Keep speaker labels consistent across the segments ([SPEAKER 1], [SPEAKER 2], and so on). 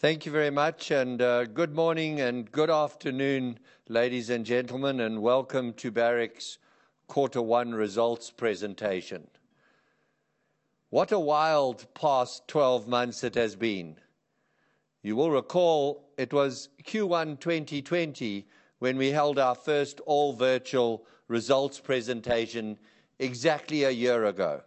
[SPEAKER 1] Thank you very much, good morning and good afternoon, ladies and gentlemen, and welcome to Barrick's Quarter One Results presentation. What a wild past 12 months it has been. You will recall it was Q1 2020 when we held our first all-virtual results presentation exactly a year ago.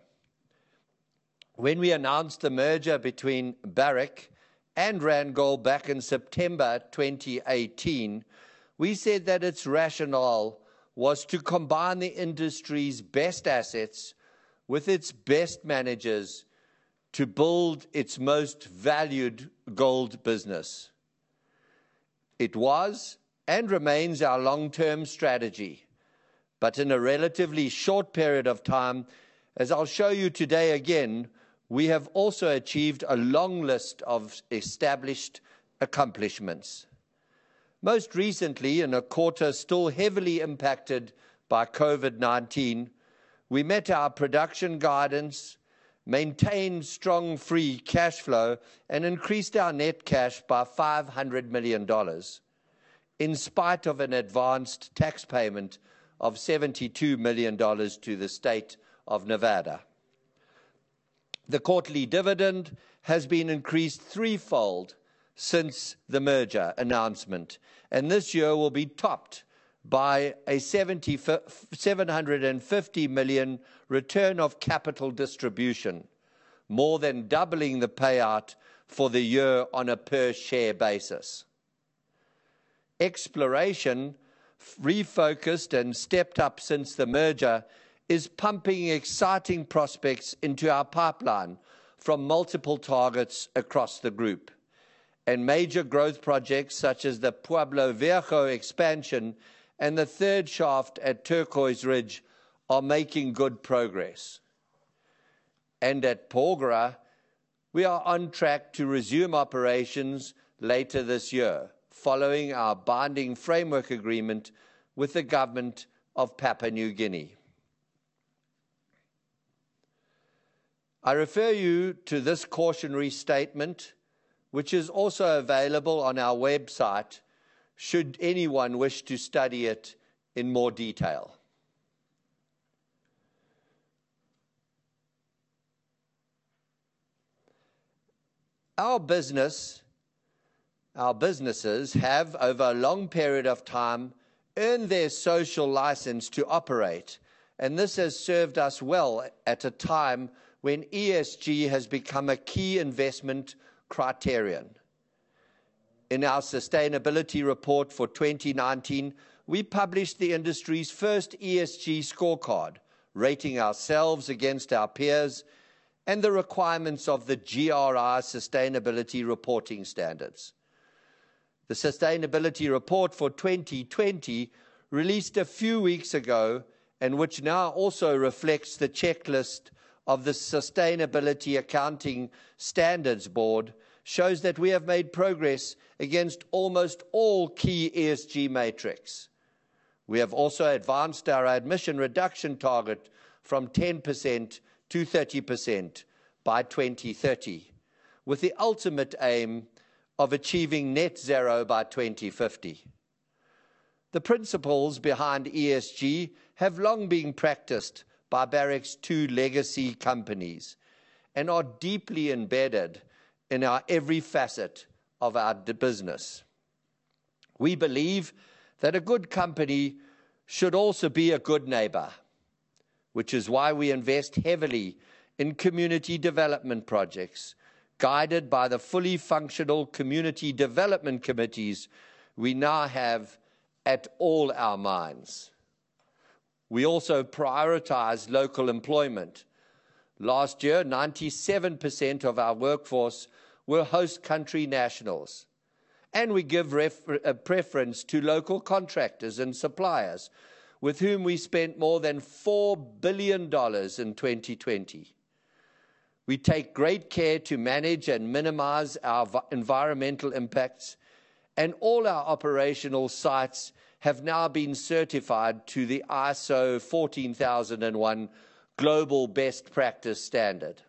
[SPEAKER 1] When we announced the merger between Barrick and Randgold back in September 2018, we said that its rationale was to combine the industry's best assets with its best managers to build its most valued gold business. It was and remains our long-term strategy, in a relatively short period of time, as I'll show you today again, we have also achieved a long list of established accomplishments. Most recently, in a quarter still heavily impacted by COVID-19, we met our production guidance, maintained strong free cash flow, and increased our net cash by $500 million, in spite of an advanced tax payment of $72 million to the state of Nevada. The quarterly dividend has been increased threefold since the merger announcement. This year will be topped by a $750 million return of capital distribution, more than doubling the payout for the year on a per-share basis. Exploration, refocused and stepped up since the merger, is pumping exciting prospects into our pipeline from multiple targets across the group, and major growth projects such as the Pueblo Viejo expansion and the third shaft at Turquoise Ridge are making good progress. At Porgera, we are on track to resume operations later this year, following our binding framework agreement with the government of Papua New Guinea. I refer you to this cautionary statement, which is also available on our website, should anyone wish to study it in more detail. Our businesses have, over a long period of time, earned their social license to operate. This has served us well at a time when ESG has become a key investment criterion. In our sustainability report for 2019, we published the industry's first ESG scorecard, rating ourselves against our peers and the requirements of the GRI sustainability reporting standards. The sustainability report for 2020, released a few weeks ago, which now also reflects the checklist of the Sustainability Accounting Standards Board, shows that we have made progress against almost all key ESG metrics. We have also advanced our emission reduction target from 10% to 30% by 2030, with the ultimate aim of achieving net zero by 2050. The principles behind ESG have long been practiced by Barrick's two legacy companies and are deeply embedded in every facet of our business. We believe that a good company should also be a good neighbor, which is why we invest heavily in community development projects, guided by the fully functional community development committees we now have at all our mines. We also prioritize local employment. Last year, 97% of our workforce were host country nationals, and we give preference to local contractors and suppliers, with whom we spent more than $4 billion in 2020. We take great care to manage and minimize our environmental impacts, and all our operational sites have now been certified to the ISO 14001 global best practice standard.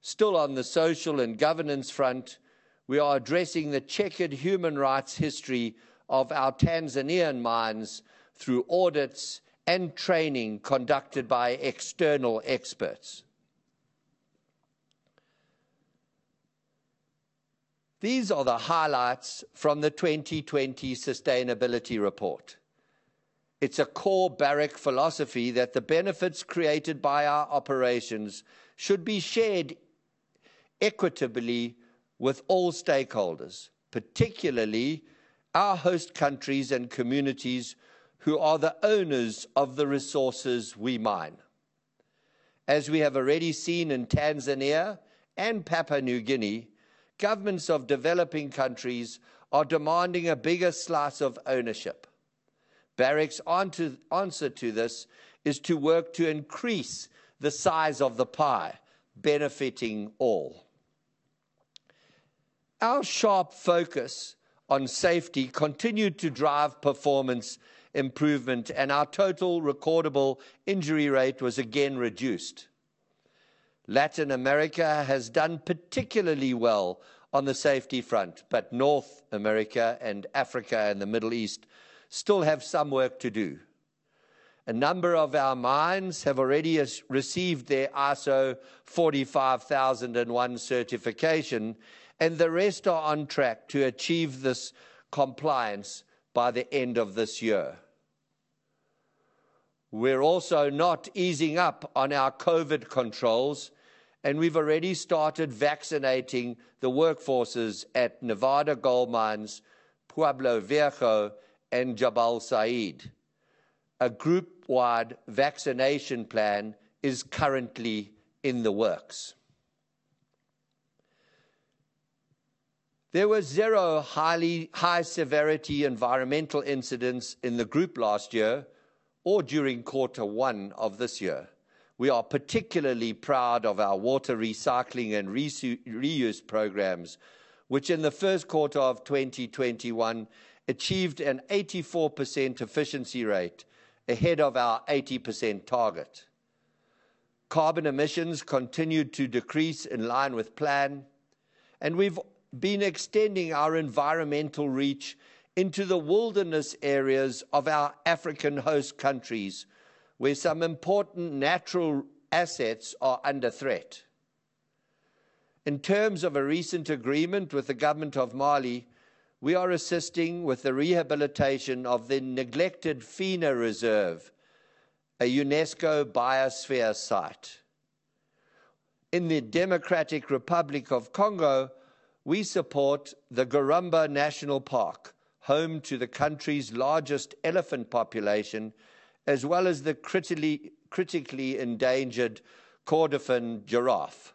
[SPEAKER 1] Still on the social and governance front, we are addressing the checkered human rights history of our Tanzanian mines through audits and training conducted by external experts. These are the highlights from the 2020 sustainability report. It's a core Barrick philosophy that the benefits created by our operations should be shared equitably with all stakeholders, particularly our host countries and communities who are the owners of the resources we mine. As we have already seen in Tanzania and Papua New Guinea, governments of developing countries are demanding a bigger slice of ownership. Barrick's answer to this is to work to increase the size of the pie, benefitting all. Our sharp focus on safety continued to drive performance improvement and our total recordable injury rate was again reduced. Latin America has done particularly well on the safety front, but North America and Africa and the Middle East still have some work to do. A number of our mines have already received their ISO 45001 certification, the rest are on track to achieve this compliance by the end of this year. We're also not easing up on our COVID controls, we've already started vaccinating the workforces at Nevada Gold Mines, Pueblo Viejo, and Jabal Sayid. A group-wide vaccination plan is currently in the works. There were zero high-severity environmental incidents in the group last year or during quarter one of this year. We are particularly proud of our water recycling and reuse programs, which in the first quarter of 2021 achieved an 84% efficiency rate, ahead of our 80% target. Carbon emissions continued to decrease in line with plan, we've been extending our environmental reach into the wilderness areas of our African host countries, where some important natural assets are under threat. In terms of a recent agreement with the government of Mali, we are assisting with the rehabilitation of the neglected Fina Reserve, a UNESCO biosphere site. In the Democratic Republic of Congo, we support the Garamba National Park, home to the country's largest elephant population, as well as the critically endangered Kordofan giraffe.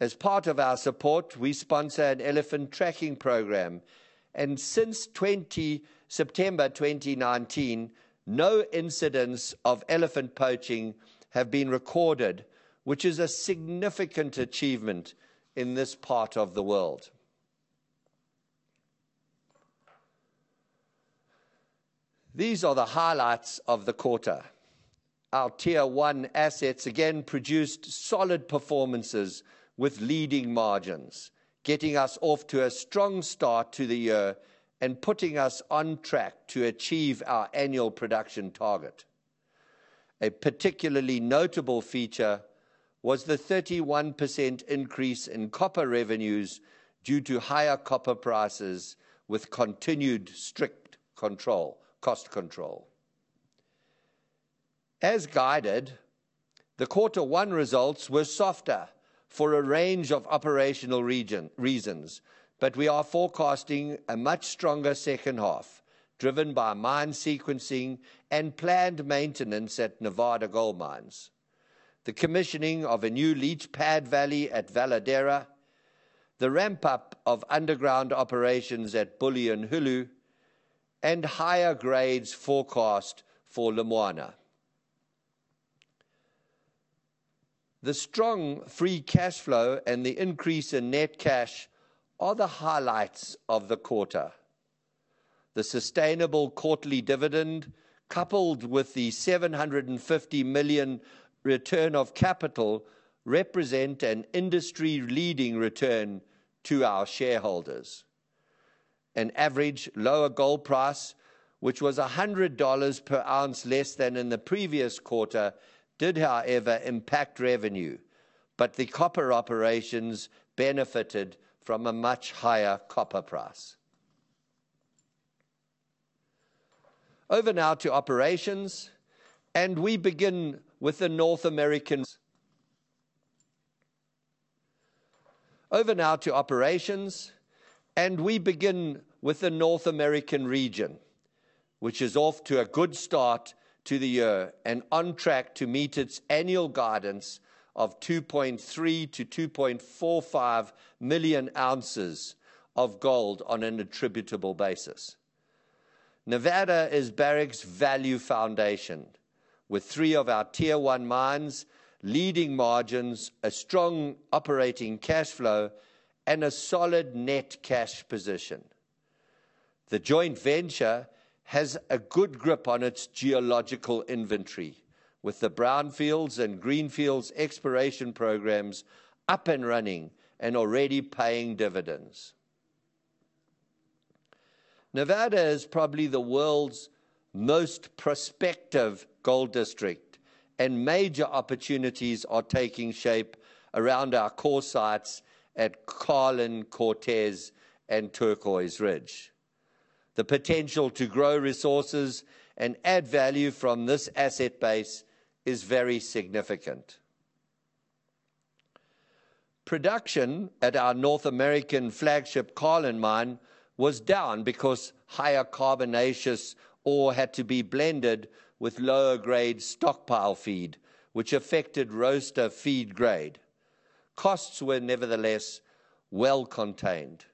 [SPEAKER 1] As part of our support, we sponsor an elephant tracking program, and since September 2019, no incidents of elephant poaching have been recorded, which is a significant achievement in this part of the world. These are the highlights of the quarter. Our Tier one assets again produced solid performances with leading margins, getting us off to a strong start to the year and putting us on track to achieve our annual production target. A particularly notable feature was the 31% increase in copper revenues due to higher copper prices with continued strict cost control. As guided, the quarter one results were softer for a range of operational reasons. We are forecasting a much stronger second half, driven by mine sequencing and planned maintenance at Nevada Gold Mines, the commissioning of a new leach pad valley at Veladero, the ramp-up of underground operations at Bulyanhulu, and higher grades forecast for Lumwana. The strong free cash flow and the increase in net cash are the highlights of the quarter. The sustainable quarterly dividend, coupled with the $750 million return of capital, represent an industry-leading return to our shareholders. An average lower gold price, which was $100 per ounce less than in the previous quarter, did however impact revenue. The copper operations benefited from a much higher copper price. Over now to operations, we begin with the North American region, which is off to a good start to the year and on track to meet its annual guidance of 2.3 million ounces-2.45 million ounces of gold on an attributable basis. Nevada is Barrick's value foundation, with three of our Tier one mines, leading margins, a strong operating cash flow, and a solid net cash position. The joint venture has a good grip on its geological inventory, with the brownfields and greenfields exploration programs up and running and already paying dividends. Nevada is probably the world's most prospective gold district, major opportunities are taking shape around our core sites at Carlin, Cortez, and Turquoise Ridge. The potential to grow resources and add value from this asset base is very significant. Production at our North American flagship Carlin mine was down because higher carbonaceous ore had to be blended with lower grade stockpile feed, which affected roaster feed grade. Costs were nevertheless well contained.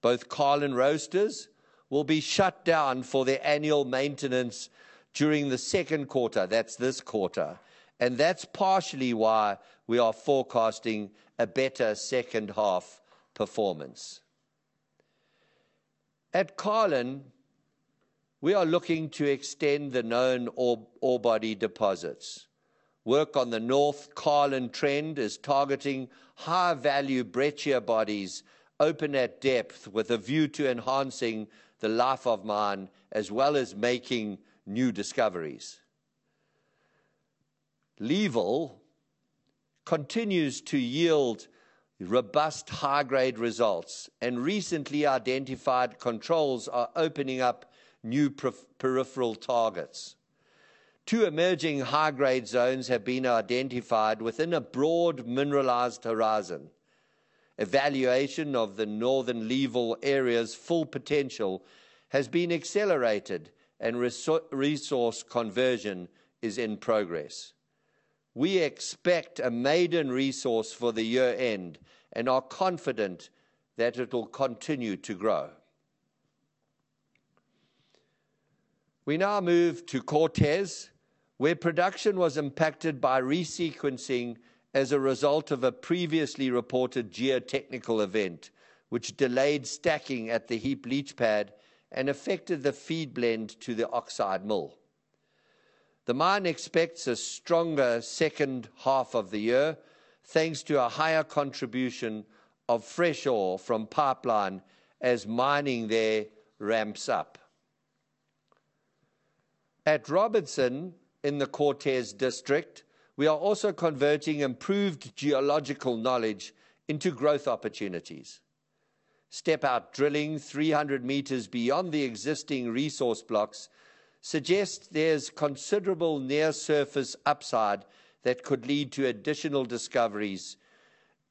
[SPEAKER 1] Both Carlin roasters will be shut down for their annual maintenance during the second quarter, that's this quarter, that's partially why we are forecasting a better second half performance. At Carlin, we are looking to extend the known ore body deposits. Work on the north Carlin trend is targeting high-value breccia bodies open at depth with a view to enhancing the life of mine, as well as making new discoveries. Leeville continues to yield robust high-grade results and recently identified controls are opening up new peripheral targets. Two emerging high-grade zones have been identified within a broad mineralized horizon. Evaluation of the northern Leeville area's full potential has been accelerated and resource conversion is in progress. We expect a maiden resource for the year-end and are confident that it'll continue to grow. We now move to Cortez, where production was impacted by resequencing as a result of a previously reported geotechnical event, which delayed stacking at the heap leach pad and affected the feed blend to the oxide mill. The mine expects a stronger second half of the year, thanks to a higher contribution of fresh ore from Pipeline as mining there ramps up. At Robinson, in the Cortez District, we are also converting improved geological knowledge into growth opportunities. Step-out drilling 300 m beyond the existing resource blocks suggests there's considerable near-surface upside that could lead to additional discoveries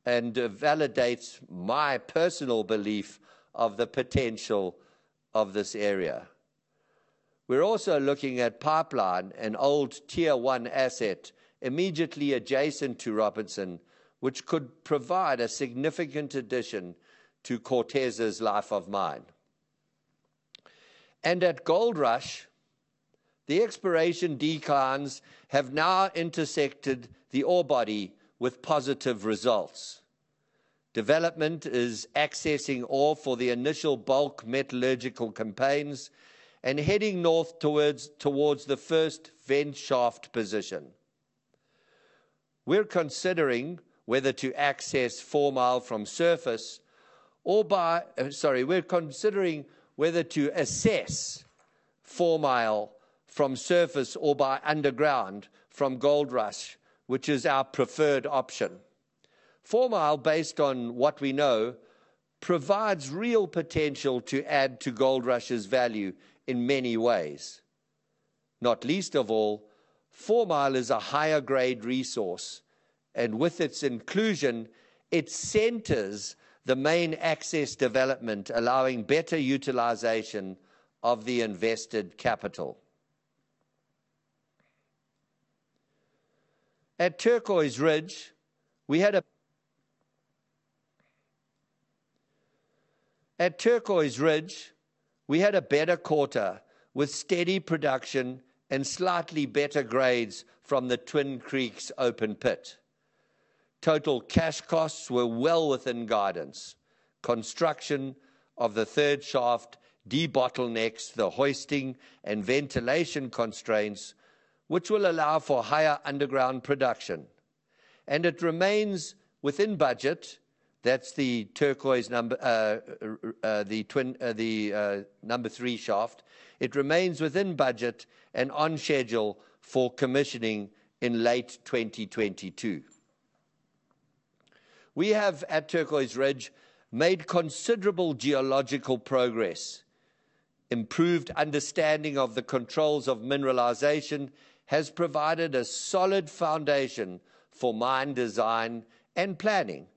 [SPEAKER 1] and validates my personal belief of the potential of this area. We're also looking at Pipeline, an old Tier one asset immediately adjacent to Robinson, which could provide a significant addition to Cortez's life of mine. At Goldrush, the exploration declines have now intersected the ore body with positive results. Development is accessing ore for the initial bulk metallurgical campaigns and heading north towards the first vent shaft position. We're considering whether to assess Fourmile from surface or by underground from Goldrush, which is our preferred option. Fourmile, based on what we know, provides real potential to add to Goldrush's value in many ways. Not least of all, Fourmile is a higher-grade resource, and with its inclusion, it centers the main access development, allowing better utilization of the invested capital. At Turquoise Ridge, we had a better quarter with steady production and slightly better grades from the Twin Creeks open pit. Total cash costs were well within guidance. Construction of the third shaft debottlenecks the hoisting and ventilation constraints, which will allow for higher underground production. It remains within budget. That's the Turquoise Ridge, the number three shaft. It remains within budget and on schedule for commissioning in late 2022. We have, at Turquoise Ridge, made considerable geological progress. Improved understanding of the controls of mineralization has provided a solid foundation for mine design and planning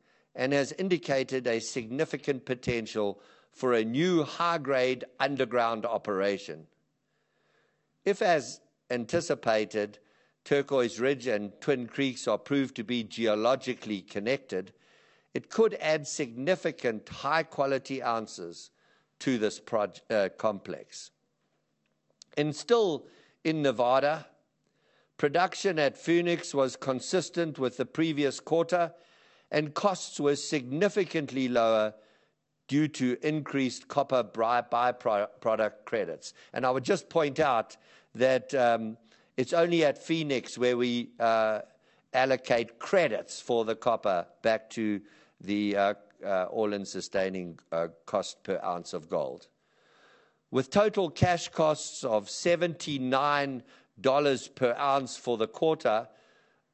[SPEAKER 1] and has indicated a significant potential for a new high-grade underground operation. If, as anticipated, Turquoise Ridge and Twin Creeks are proved to be geologically connected, it could add significant high-quality ounces to this complex. Still in Nevada, production at Phoenix was consistent with the previous quarter, and costs were significantly lower due to increased copper by-product credits. I would just point out that it's only at Phoenix where we allocate credits for the copper back to the all-in sustaining cost per ounce of gold. With total cash costs of $79 per ounce for the quarter,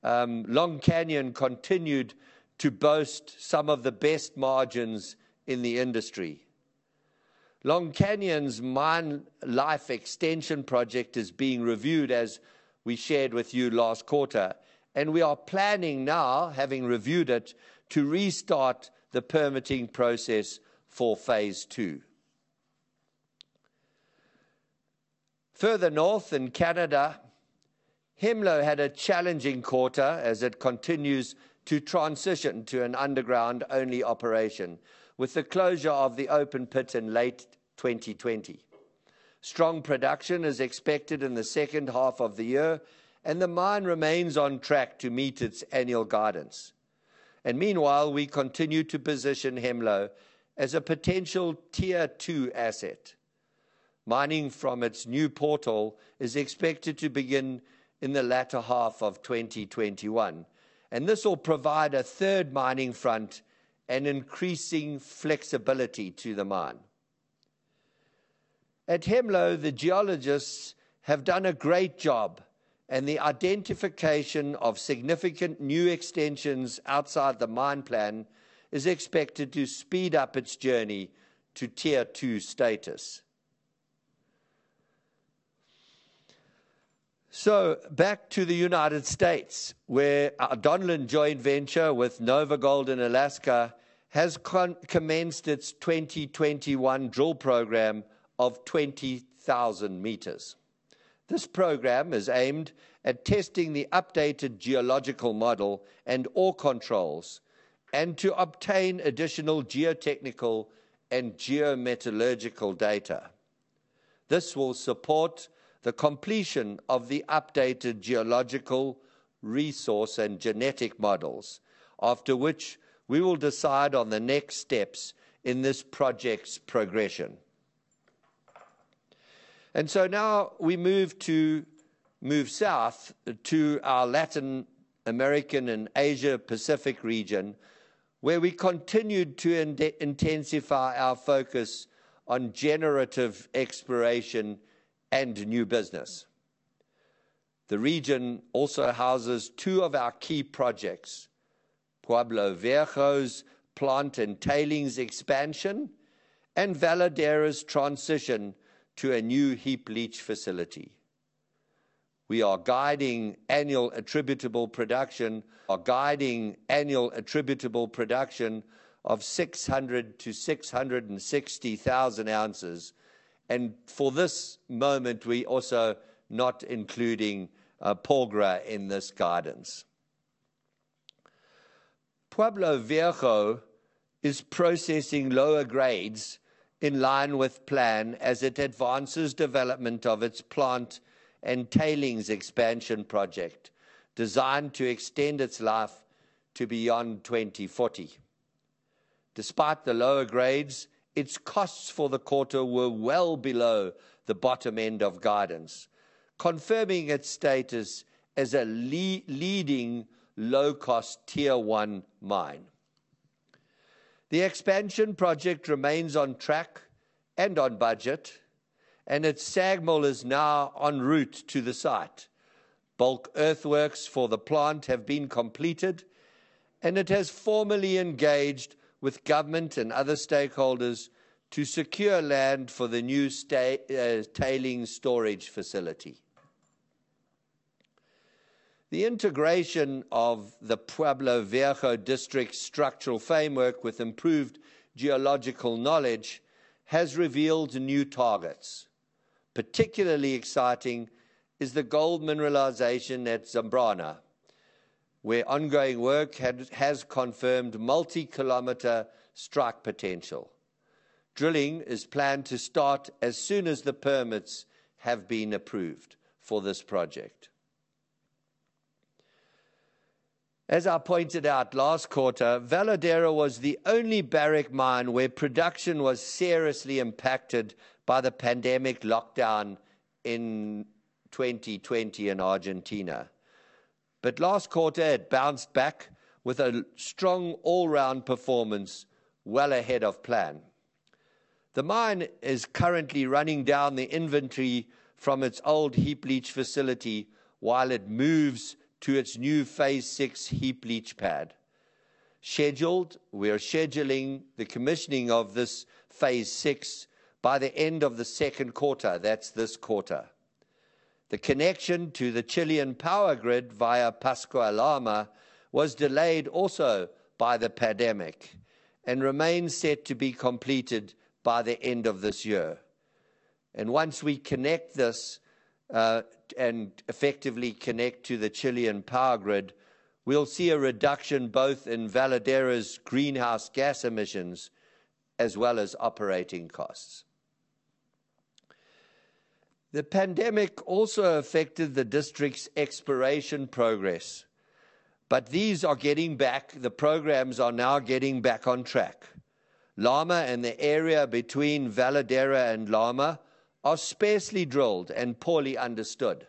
[SPEAKER 1] Long Canyon continued to boast some of the best margins in the industry. Long Canyon's mine life extension project is being reviewed, as we shared with you last quarter, and we are planning now, having reviewed it, to restart the permitting process for phase two. Further north in Canada, Hemlo had a challenging quarter as it continues to transition to an underground-only operation with the closure of the open pit in late 2020. Strong production is expected in the second half of the year, the mine remains on track to meet its annual guidance. Meanwhile, we continue to position Hemlo as a potential Tier two asset. Mining from its new portal is expected to begin in the latter half of 2021. This will provide a third mining front and increasing flexibility to the mine. At Hemlo, the geologists have done a great job. The identification of significant new extensions outside the mine plan is expected to speed up its journey to Tier two status. Back to the United States, where our Donlin joint venture with NovaGold in Alaska has commenced its 2021 drill program of 20,000 meters. This program is aimed at testing the updated geological model and ore controls and to obtain additional geotechnical and geo-metallurgical data. This will support the completion of the updated geological resource and genetic models, after which we will decide on the next steps in this project's progression. Now we move south to our Latin American and Asia Pacific region, where we continued to intensify our focus on generative exploration and new business. The region also houses two of our key projects, Pueblo Viejo's plant and tailings expansion and Veladero's transition to a new heap leach facility. We are guiding annual attributable production of 600,000 ounces to 660,000 ounces. For this moment, we also not including Porgera in this guidance. Pueblo Viejo is processing lower grades in line with plan as it advances development of its plant and tailings expansion project designed to extend its life to beyond 2040. Despite the lower grades, its costs for the quarter were well below the bottom end of guidance, confirming its status as a leading low-cost Tier one mine. The expansion project remains on track and on budget, and its SAG mill is now en route to the site. Bulk earthworks for the plant have been completed, and it has formally engaged with government and other stakeholders to secure land for the new tailings storage facility. The integration of the Pueblo Viejo district structural framework with improved geological knowledge has revealed new targets. Particularly exciting is the gold mineralization at Zambrana, where ongoing work has confirmed multi-kilometer strike potential. Drilling is planned to start as soon as the permits have been approved for this project. As I pointed out last quarter, Veladero was the only Barrick mine where production was seriously impacted by the pandemic lockdown in 2020 in Argentina. Last quarter, it bounced back with a strong all-round performance well ahead of plan. The mine is currently running down the inventory from its old heap leach facility while it moves to its new phase six heap leach pad. We are scheduling the commissioning of this phase six by the end of the second quarter. That's this quarter. The connection to the Chilean power grid via Pascua Lama was delayed also by the pandemic and remains set to be completed by the end of this year. Once we connect this and effectively connect to the Chilean power grid, we'll see a reduction both in Veladero's greenhouse gas emissions as well as operating costs. The pandemic also affected the district's exploration progress, but these are getting back. The programs are now getting back on track. Lama and the area between Veladero and Lama are sparsely drilled and poorly understood,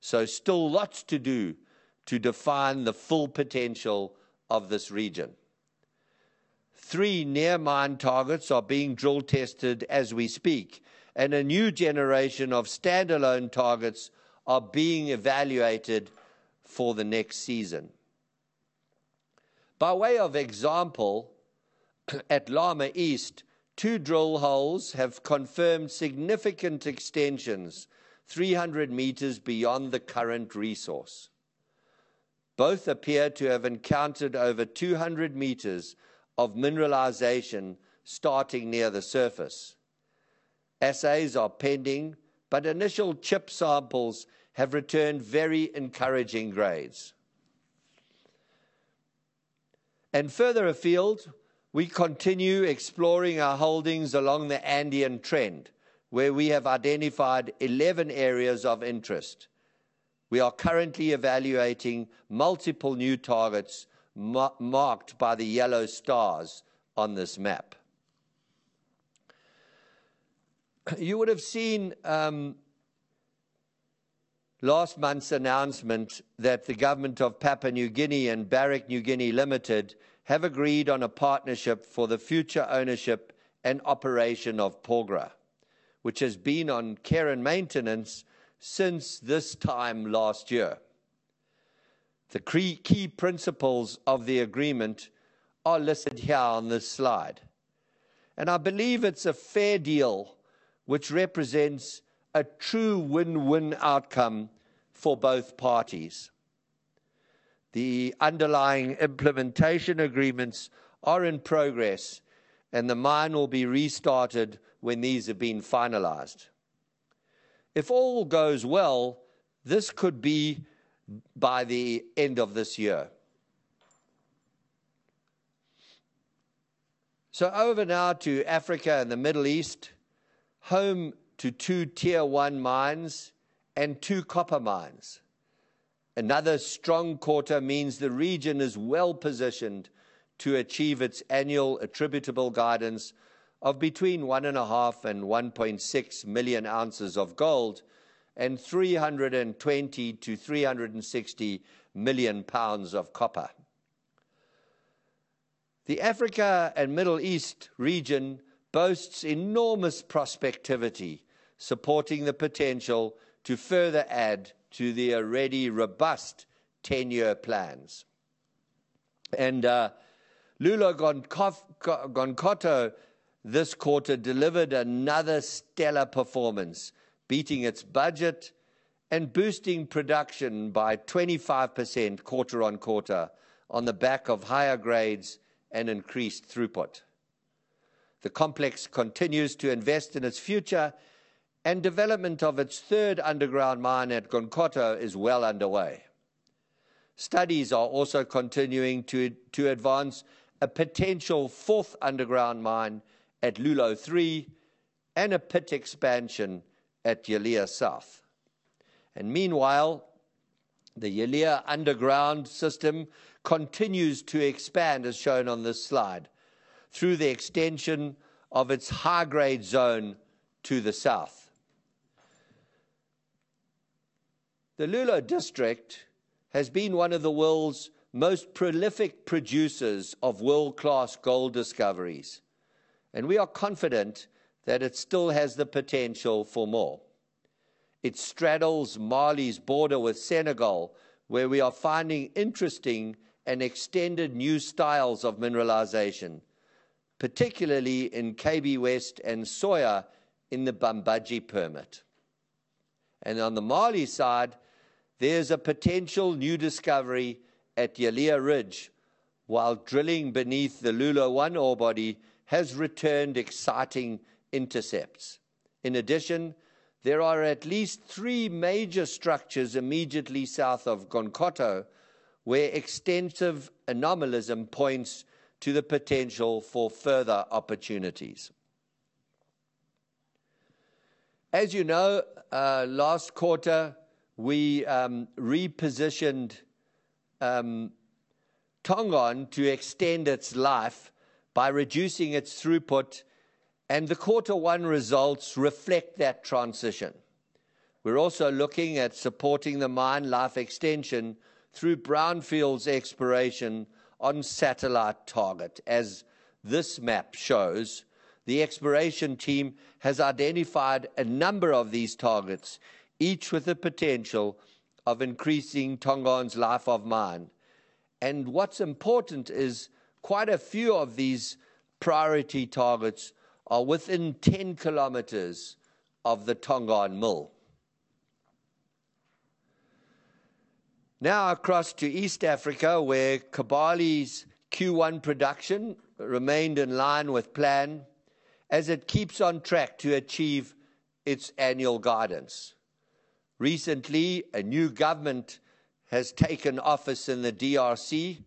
[SPEAKER 1] so still lots to do to define the full potential of this region. Three near mine targets are being drill tested as we speak, and a new generation of standalone targets are being evaluated for the next season. By way of example, at Lama East, two drill holes have confirmed significant extensions 300 m beyond the current resource. Both appear to have encountered over 200 m of mineralization starting near the surface. Assays are pending, initial chip samples have returned very encouraging grades. Further afield, we continue exploring our holdings along the Andean trend, where we have identified 11 areas of interest. We are currently evaluating multiple new targets marked by the yellow stars on this map. You would have seen last month's announcement that the government of Papua New Guinea and Barrick Niugini Limited have agreed on a partnership for the future ownership and operation of Porgera, which has been on care and maintenance since this time last year. The key principles of the agreement are listed here on this slide. I believe it's a fair deal which represents a true win-win outcome for both parties. The underlying implementation agreements are in progress, and the mine will be restarted when these have been finalized. If all goes well, this could be by the end of this year. Over now to Africa and the Middle East, home to two Tier one mines and two copper mines. Another strong quarter means the region is well-positioned to achieve its annual attributable guidance of between 1.5 million ounces and 1.6 million ounces of gold and 320 million pounds to 360 million pounds of copper. The Africa and Middle East region boasts enormous prospectivity, supporting the potential to further add to the already robust 10-year plans. Loulo-Gounkoto this quarter delivered another stellar performance, beating its budget and boosting production by 25% quarter-on-quarter on the back of higher grades and increased throughput. The complex continues to invest in its future and development of its third underground mine at Gounkoto is well underway. Studies are also continuing to advance a potential fourth underground mine at Loulo-3 and a pit expansion at Yalea South. Meanwhile, the Yalea underground system continues to expand, as shown on this slide, through the extension of its high-grade zone to the south. The Loulo district has been one of the world's most prolific producers of world-class gold discoveries, and we are confident that it still has the potential for more. It straddles Mali's border with Senegal, where we are finding interesting and extended new styles of mineralization, particularly in Kabewest and Soya in the Bambadji permit. On the Mali side, there's a potential new discovery at Yalea Ridge, while drilling beneath the Loulo-1 ore body has returned exciting intercepts. In addition, there are at least three major structures immediately south of Gounkoto, where extensive anomalism points to the potential for further opportunities. As you know, last quarter, we repositioned Tongon to extend its life by reducing its throughput, and the Quarter one results reflect that transition. We're also looking at supporting the mine life extension through brownfields exploration on satellite target. As this map shows, the exploration team has identified a number of these targets, each with the potential of increasing Tongon's life of mine. What's important is quite a few of these priority targets are within 10 km of the Tongon mill. Now across to East Africa, where Kibali's Q1 production remained in line with plan as it keeps on track to achieve its annual guidance. Recently, a new government has taken office in the DRC.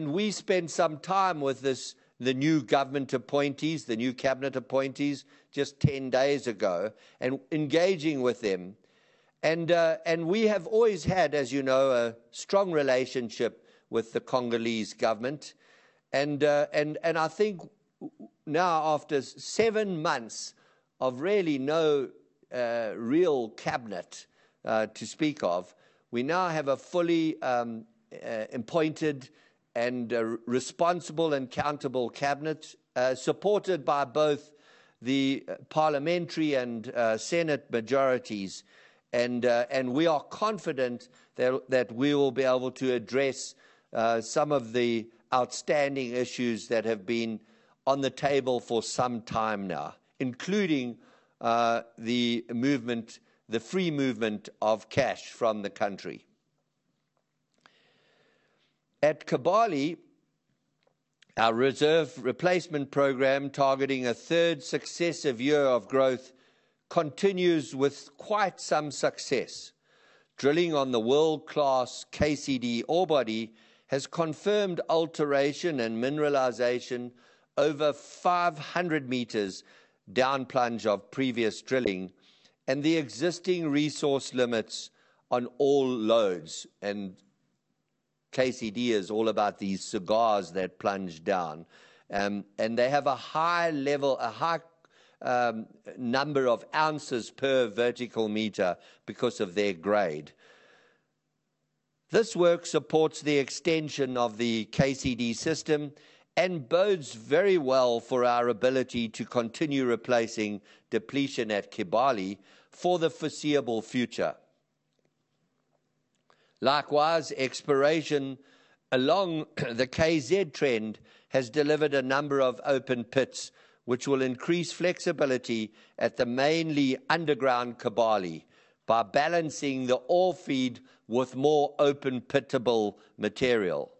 [SPEAKER 1] We spent some time with the new government appointees, the new cabinet appointees, just 10 days ago and engaging with them. We have always had, as you know, a strong relationship with the Congolese government. I think now, after seven months of really no real cabinet to speak of, we now have a fully appointed and responsible and countable cabinet, supported by both the parliamentary and senate majorities. We are confident that we will be able to address some of the outstanding issues that have been on the table for some time now, including the free movement of cash from the country. At Kibali, our reserve replacement program targeting a third successive year of growth continues with quite some success. Drilling on the world-class KCD ore body has confirmed alteration and mineralization over 500 m down plunge of previous drilling and the existing resource limits on all loads. KCD is all about these cigars that plunge down. They have a high level, a high number of ounces per vertical meter because of their grade. This work supports the extension of the KCD system and bodes very well for our ability to continue replacing depletion at Kibali for the foreseeable future. Likewise, exploration along the KZ trend has delivered a number of open pits, which will increase flexibility at the mainly underground Kibali by balancing the ore feed with more open pittable material.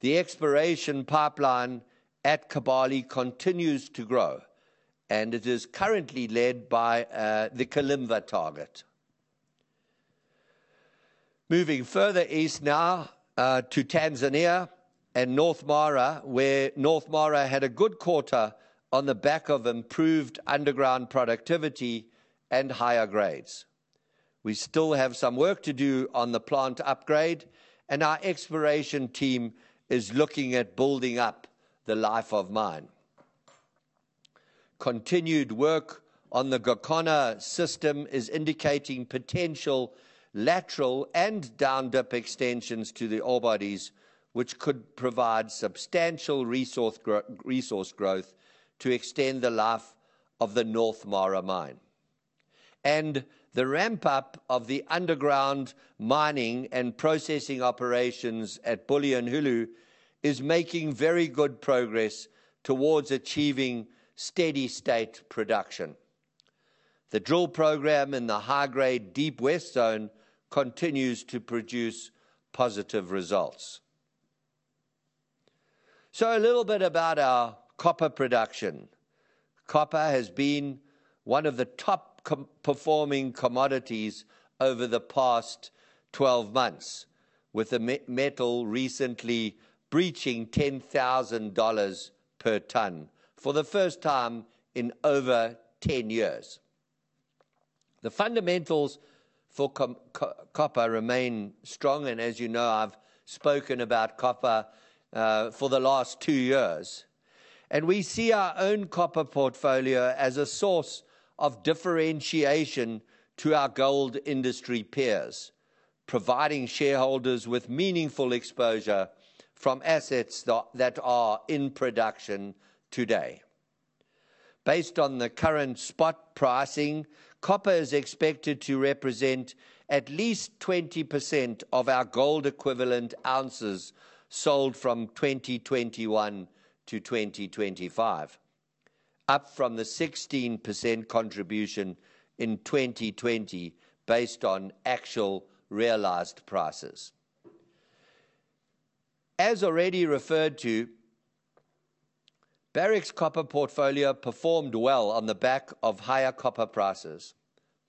[SPEAKER 1] The exploration pipeline at Kibali continues to grow, and it is currently led by the Kalimba target. Moving further east now to Tanzania and North Mara, where North Mara had a good quarter on the back of improved underground productivity and higher grades. We still have some work to do on the plant upgrade, our exploration team is looking at building up the life of mine. Continued work on the Gokona system is indicating potential lateral and down-dip extensions to the ore bodies, which could provide substantial resource growth to extend the life of the North Mara mine. The ramp-up of the underground mining and processing operations at Bulyanhulu is making very good progress towards achieving steady state production. The drill program in the high-grade Deep West zone continues to produce positive results. A little bit about our copper production. Copper has been one of the top-performing commodities over the past 12 months, with the metal recently breaching $10,000 per tonne for the first time in over 10 years. As you know, I've spoken about copper for the last two years. We see our own copper portfolio as a source of differentiation to our gold industry peers, providing shareholders with meaningful exposure from assets that are in production today. Based on the current spot pricing, copper is expected to represent at least 20% of our gold equivalent ounces sold from 2021 to 2025, up from the 16% contribution in 2020 based on actual realized prices. As already referred to, Barrick's copper portfolio performed well on the back of higher copper prices.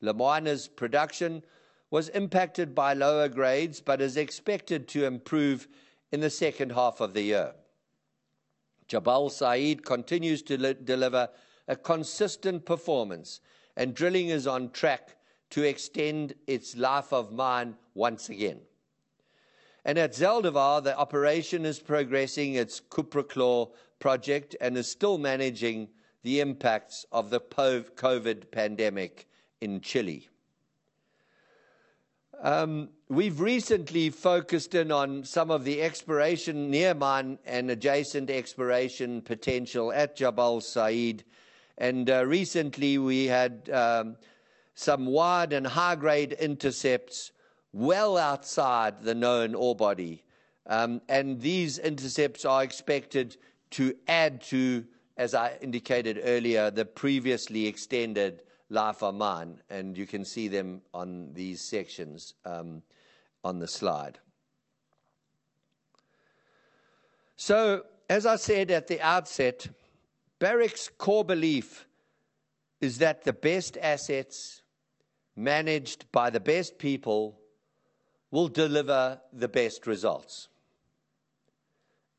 [SPEAKER 1] Lumwana's production was impacted by lower grades, but is expected to improve in the second half of the year. Jabal Sayid continues to deliver a consistent performance, and drilling is on track to extend its life of mine once again. At Zaldivar, the operation is progressing its CuproChlor project and is still managing the impacts of the COVID-19 pandemic in Chile. We've recently focused in on some of the exploration near mine and adjacent exploration potential at Jabal Sayid, and recently we had some wide and high-grade intercepts well outside the known ore body. These intercepts are expected to add to, as I indicated earlier, the previously extended life of mine, and you can see them on these sections on the slide. As I said at the outset, Barrick's core belief is that the best assets managed by the best people will deliver the best results.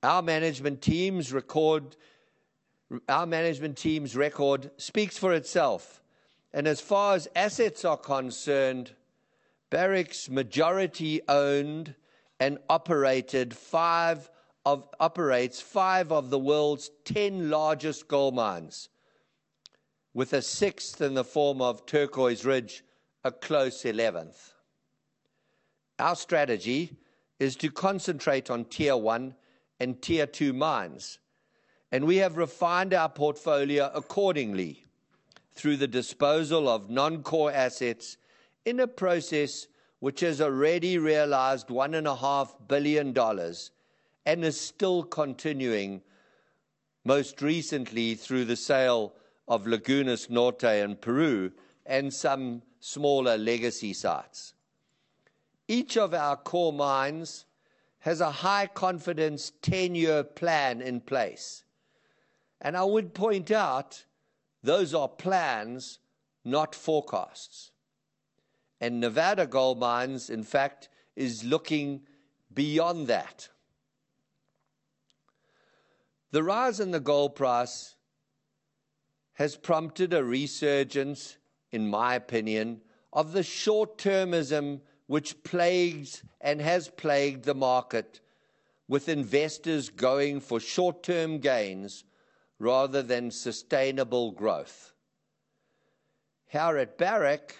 [SPEAKER 1] Our management team's record speaks for itself. As far as assets are concerned, Barrick's majority-owned and operates five of the world's 10 largest gold mines, with a sixth in the form of Turquoise Ridge, a close 11th. Our strategy is to concentrate on Tier one and Tier two mines. We have refined our portfolio accordingly through the disposal of non-core assets in a process which has already realized $1.5 billion and is still continuing. Most recently through the sale of Lagunas Norte in Peru and some smaller legacy sites. Each of our core mines has a high confidence 10-year plan in place. I would point out those are plans, not forecasts. Nevada Gold Mines, in fact, is looking beyond that. The rise in the gold price has prompted a resurgence, in my opinion, of the short-termism which plagues and has plagued the market, with investors going for short-term gains rather than sustainable growth. Here at Barrick,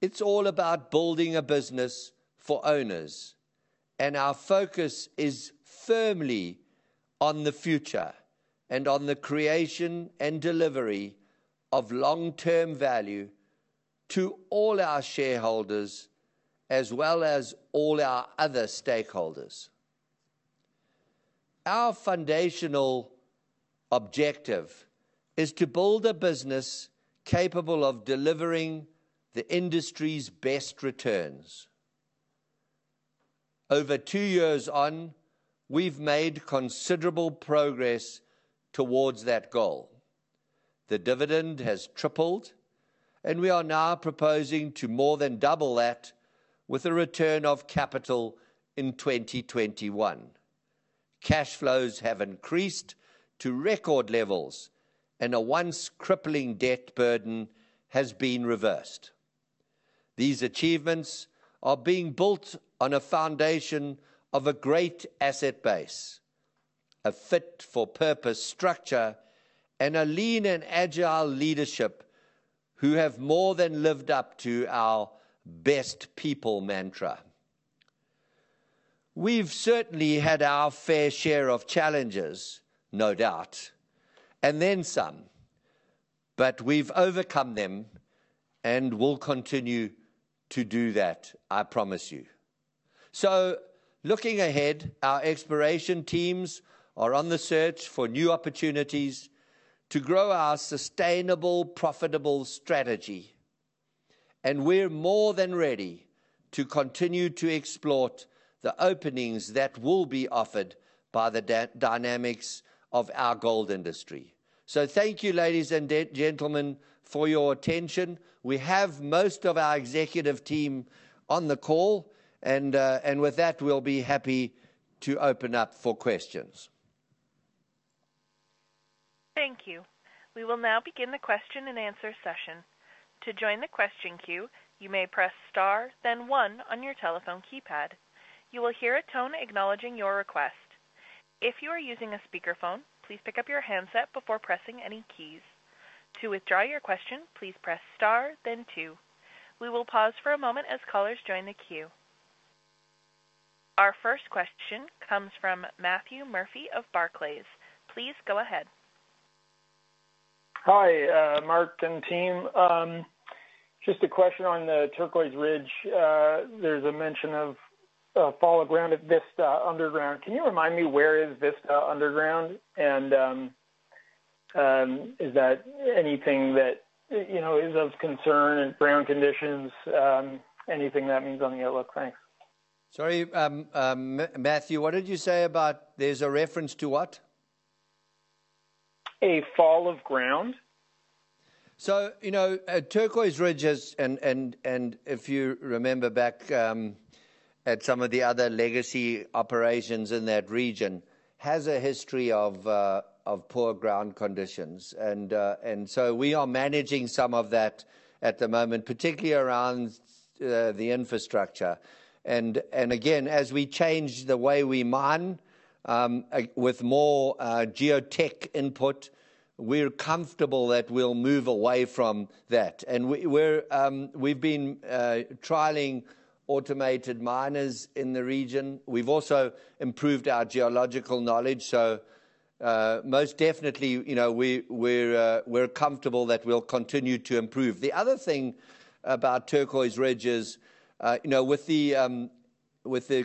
[SPEAKER 1] it's all about building a business for owners. Our focus is firmly on the future and on the creation and delivery of long-term value to all our shareholders, as well as all our other stakeholders. Our foundational objective is to build a business capable of delivering the industry's best returns. Over two years on, we've made considerable progress towards that goal. The dividend has tripled. We are now proposing to more than double that with a return of capital in 2021. Cash flows have increased to record levels. A once crippling debt burden has been reversed. These achievements are being built on a foundation of a great asset base, a fit for purpose structure, and a lean and agile leadership who have more than lived up to our best people mantra. We've certainly had our fair share of challenges, no doubt, and then some. We've overcome them and will continue to do that, I promise you. Looking ahead, our exploration teams are on the search for new opportunities to grow our sustainable, profitable strategy. We're more than ready to continue to exploit the openings that will be offered by the dynamics of our gold industry. Thank you, ladies and gentlemen, for your attention. We have most of our executive team on the call. With that, we'll be happy to open up for questions.
[SPEAKER 2] Thank you. We will now begin the question and answer session. Our first question comes from Matthew Murphy of Barclays. Please go ahead.
[SPEAKER 3] Hi, Mark and team. Just a question on the Turquoise Ridge. There's a mention of a fall of ground at Vista Underground. Can you remind me where is Vista Underground? Is that anything that is of concern in ground conditions? Anything that means on the outlook? Thanks.
[SPEAKER 1] Sorry, Matthew, what did you say about there's a reference to what?
[SPEAKER 3] A fall of ground.
[SPEAKER 1] Turquoise Ridge, and if you remember back at some of the other legacy operations in that region, has a history of poor ground conditions. We are managing some of that at the moment, particularly around the infrastructure. Again, as we change the way we mine, with more geotech input, we're comfortable that we'll move away from that. We've also improved our geological knowledge. Most definitely, we're comfortable that we'll continue to improve. The other thing about Turquoise Ridge is with the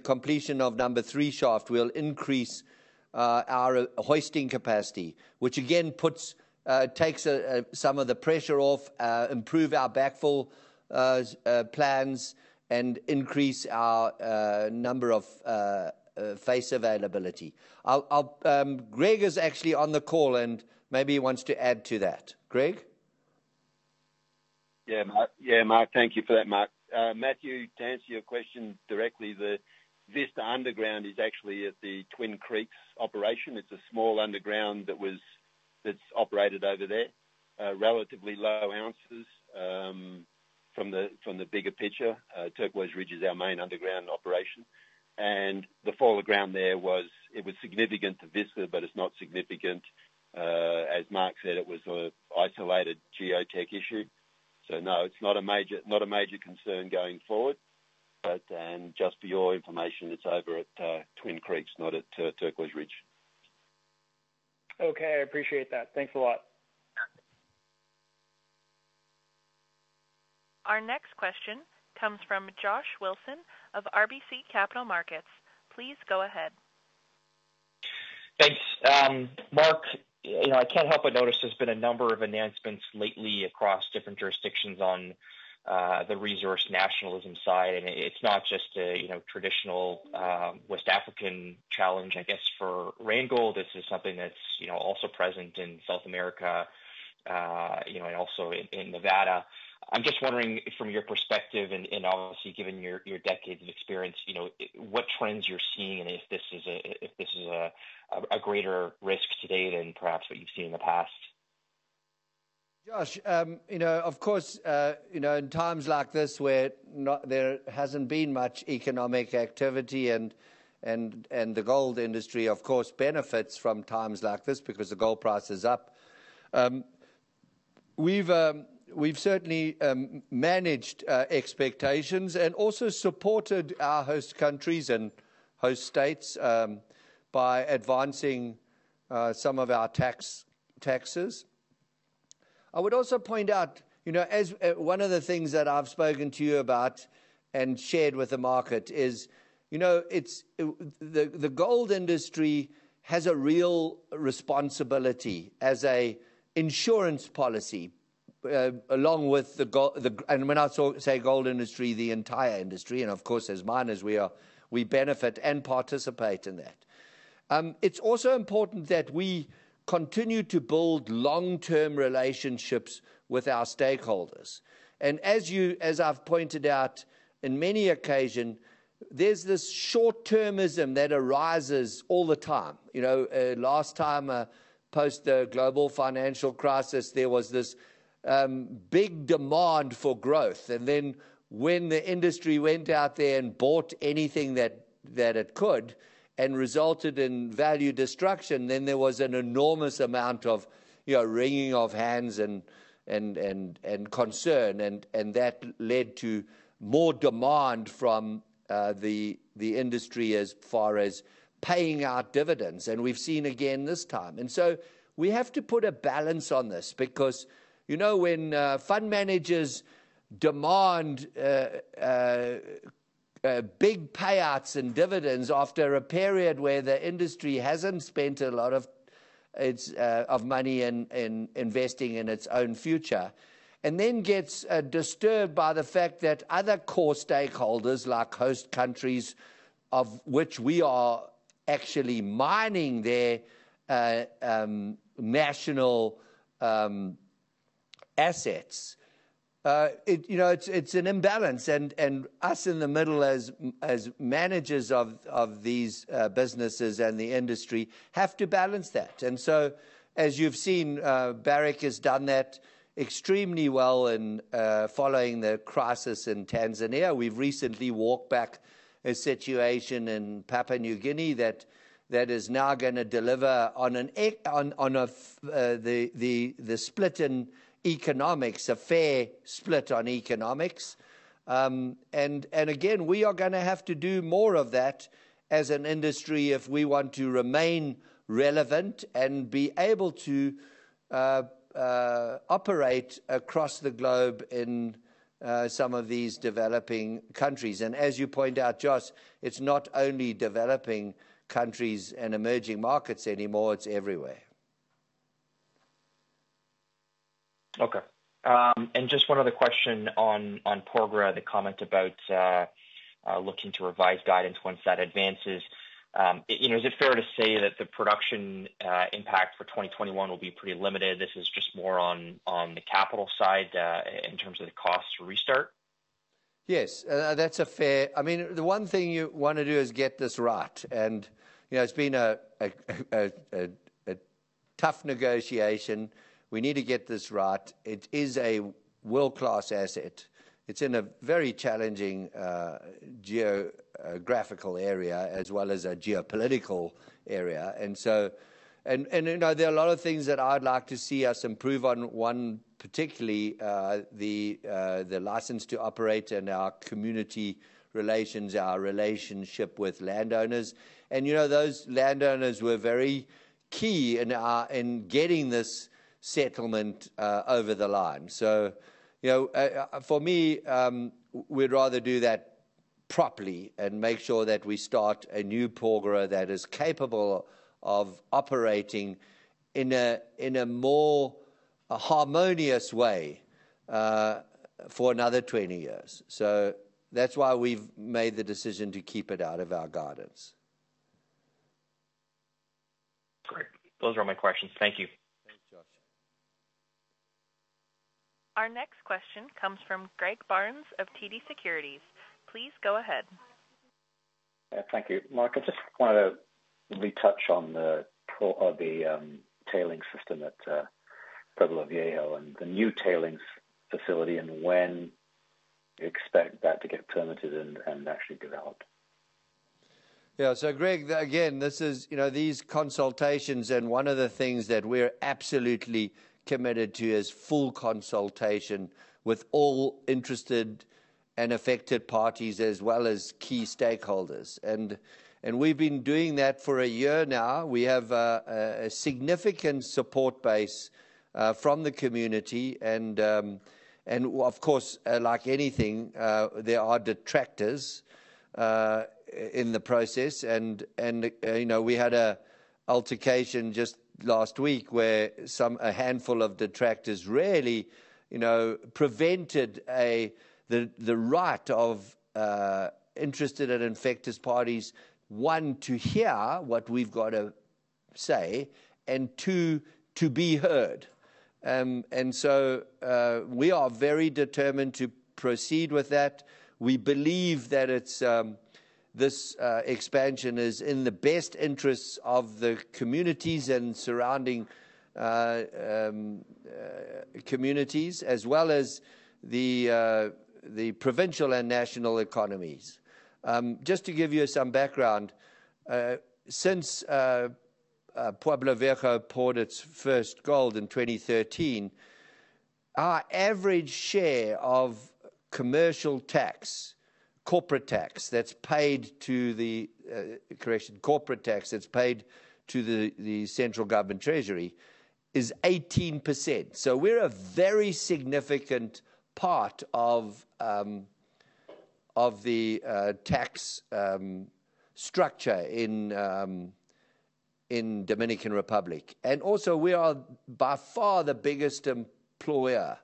[SPEAKER 1] completion of number three shaft, we'll increase our hoisting capacity, which again, takes some of the pressure off, improve our backfill plans, and increase our number of face availability. Greg is actually on the call and maybe he wants to add to that. Greg?
[SPEAKER 4] Yeah. Mark, thank you for that, Mark. Matthew, to answer your question directly, the Vista Underground is actually at the Twin Creeks operation. It's a small underground that's operated over there. Relatively low ounces from the bigger picture. Turquoise Ridge is our main underground operation. The fall of ground there was significant to Vista, but it's not significant. As Mark said, it was a isolated geotech issue. No, it's not a major concern going forward. Just for your information, it's over at Twin Creeks, not at Turquoise Ridge.
[SPEAKER 3] Okay. I appreciate that. Thanks a lot.
[SPEAKER 2] Our next question comes from Josh Wolfson of RBC Capital Markets. Please go ahead.
[SPEAKER 5] Thanks. Mark, I can't help but notice there's been a number of announcements lately across different jurisdictions on the resource nationalism side. It's not just a traditional West African challenge, I guess, for Randgold. This is something that's also present in South America and also in Nevada. I'm just wondering from your perspective and obviously, given your decades of experience, what trends you're seeing and if this is a greater risk today than perhaps what you've seen in the past.
[SPEAKER 1] Josh, of course, in times like this where there hasn't been much economic activity and the gold industry, of course, benefits from times like this because the gold price is up. We've certainly managed expectations and also supported our host countries and host states by advancing some of our taxes. I would also point out, as one of the things that I've spoken to you about and shared with the market is, the gold industry has a real responsibility as a insurance policy, and when I say gold industry, the entire industry, and of course, as miners, we benefit and participate in that. It's also important that we continue to build long-term relationships with our stakeholders. As I've pointed out in many occasion, there's this short-termism that arises all the time. Last time, post the global financial crisis, there was this big demand for growth. When the industry went out there and bought anything that it could and resulted in value destruction, then there was an enormous amount of wringing of hands and concern and that led to more demand from the industry as far as paying out dividends. We've seen again this time. We have to put a balance on this because when fund managers demand big payouts and dividends after a period where the industry hasn't spent a lot of money in investing in its own future. And then gets disturbed by the fact that other core stakeholders, like host countries of which we are actually mining their national assets. It's an imbalance and us in the middle as managers of these businesses and the industry have to balance that. As you've seen, Barrick has done that extremely well in following the crisis in Tanzania. We've recently walked back a situation in Papua New Guinea that is now going to deliver on the split in economics, a fair split on economics. Again, we are going to have to do more of that as an industry if we want to remain relevant and be able to operate across the globe in some of these developing countries. As you point out, Josh, it's not only developing countries and emerging markets anymore, it's everywhere.
[SPEAKER 5] Okay. Just one other question on Porgera, the comment about looking to revise guidance once that advances. Is it fair to say that the production impact for 2021 will be pretty limited? This is just more on the capital side, in terms of the cost to restart?
[SPEAKER 1] Yes. The one thing you want to do is get this right. It's been a tough negotiation. We need to get this right. It is a world-class asset. It's in a very challenging geographical area as well as a geopolitical area. There are a lot of things that I'd like to see us improve on. One, particularly, the license to operate and our community relations, our relationship with landowners. Those landowners were very key in getting this settlement over the line. For me, we'd rather do that properly and make sure that we start a new Porgera that is capable of operating in a more harmonious way for another 20 years. That's why we've made the decision to keep it out of our guidance.
[SPEAKER 5] Great. Those are my questions. Thank you.
[SPEAKER 1] Thanks, Josh.
[SPEAKER 2] Our next question comes from Greg Barnes of TD Securities. Please go ahead.
[SPEAKER 6] Thank you. Mark, I just wanted to retouch on the tailings system at Pueblo Viejo and the new tailings facility and when you expect that to get permitted and actually developed.
[SPEAKER 1] Greg, again, these consultations and one of the things that we're absolutely committed to is full consultation with all interested and affected parties as well as key stakeholders. We've been doing that for a year now. We have a significant support base from the community and, of course, like anything, there are detractors in the process and we had an altercation just last week where a handful of detractors really prevented the right of interested and affected parties, one, to hear what we've got to say, and two, to be heard. We are very determined to proceed with that. We believe that this expansion is in the best interests of the communities and surrounding communities as well as the provincial and national economies. Just to give you some background, since Pueblo Viejo poured its first gold in 2013, our average share of commercial tax, corporate tax that's paid to the central government treasury is 18%. We're a very significant part of the tax structure in Dominican Republic. Also we are by far the biggest employer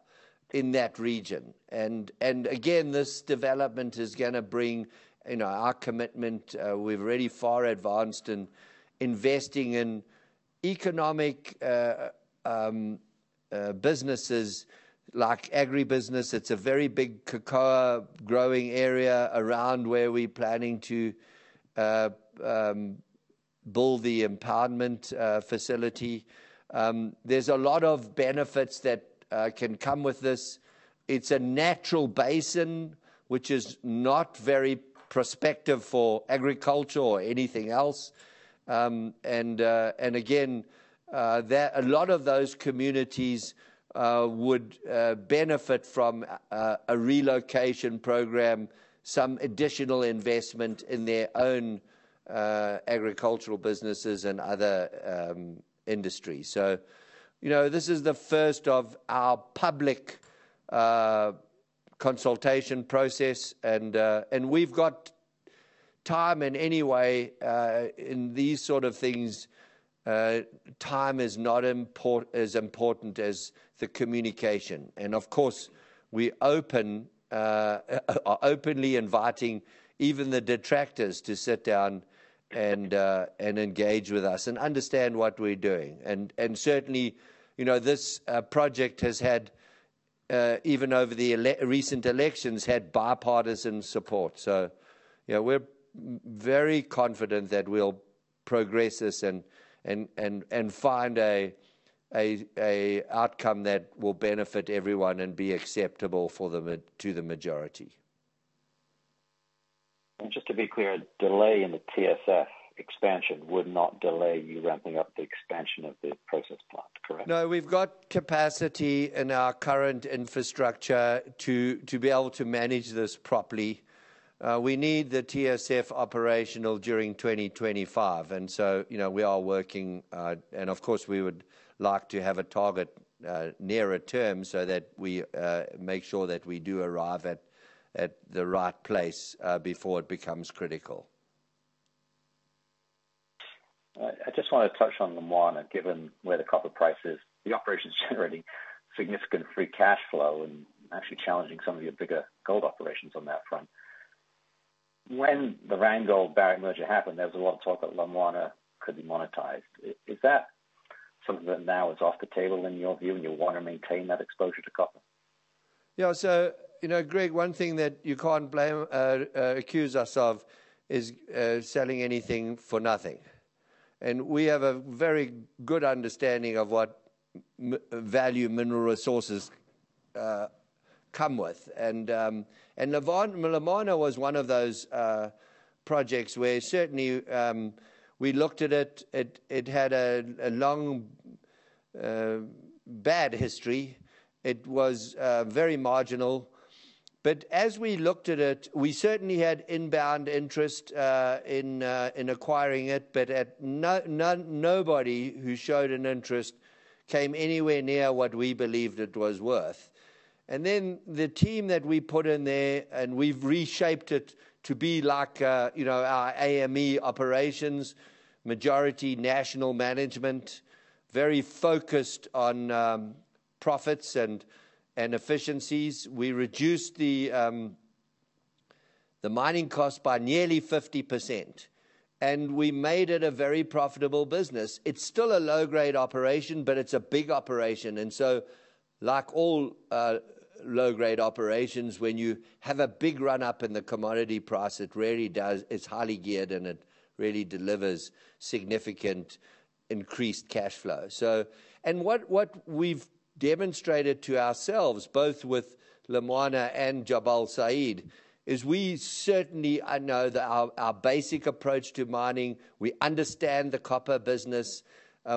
[SPEAKER 1] in that region. Again, this development is going to bring our commitment. We're really far advanced in investing in economic businesses like agribusiness. It's a very big cacao growing area around where we're planning to build the impoundment facility. There's a lot of benefits that can come with this. It's a natural basin, which is not very prospective for agriculture or anything else. Again, a lot of those communities would benefit from a relocation program, some additional investment in their own agricultural businesses and other industries. This is the first of our public consultation process and we've got time, and anyway, in these sort of things, time is not as important as the communication. Of course, we are openly inviting even the detractors to sit down and engage with us and understand what we're doing. Certainly, this project has had, even over the recent elections, had bipartisan support. We're very confident that we'll progress this and find an outcome that will benefit everyone and be acceptable to the majority.
[SPEAKER 6] Just to be clear, a delay in the TSF expansion would not delay you ramping up the expansion of the process plant, correct?
[SPEAKER 1] No, we've got capacity in our current infrastructure to be able to manage this properly. We need the TSF operational during 2025, so we are working. Of course, we would like to have a target nearer term so that we make sure that we do arrive at the right place before it becomes critical.
[SPEAKER 6] I just want to touch on Lumwana, given where the copper price is, the operation's generating significant free cash flow and actually challenging some of your bigger gold operations on that front. When the Randgold Barrick merger happened, there was a lot of talk that Lumwana could be monetized. Is that something that now is off the table in your view, and you want to maintain that exposure to copper?
[SPEAKER 1] Yeah. Greg, one thing that you can't accuse us of is selling anything for nothing. We have a very good understanding of what value mineral resources come with. Lumwana was one of those projects where certainly, we looked at it. It had a long bad history. It was very marginal. As we looked at it, we certainly had inbound interest in acquiring it. Nobody who showed an interest came anywhere near what we believed it was worth. The team that we put in there, and we've reshaped it to be like our AME operations, majority national management, very focused on profits and efficiencies. We reduced the mining cost by nearly 50% and we made it a very profitable business. It's still a low-grade operation, but it's a big operation. Like all low-grade operations, when you have a big run-up in the commodity price, it's highly geared, and it really delivers significant increased cash flow. What we've demonstrated to ourselves both with Lumwana and Jabal Sayid, we certainly. I know that our basic approach to mining, we understand the copper business.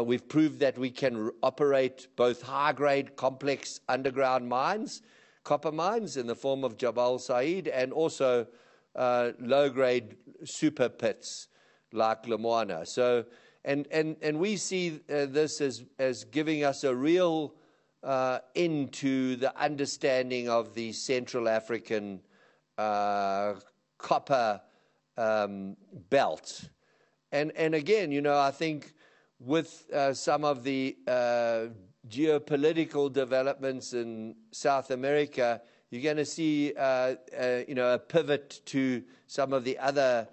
[SPEAKER 1] We've proved that we can operate both high-grade, complex underground mines, copper mines in the form of Jabal Sayid, and also low-grade super pits like Lumwana. We see this as giving us a real into the understanding of the Central African Copper Belt. Again, I think with some of the geopolitical developments in South America, you're going to see a pivot to some of the other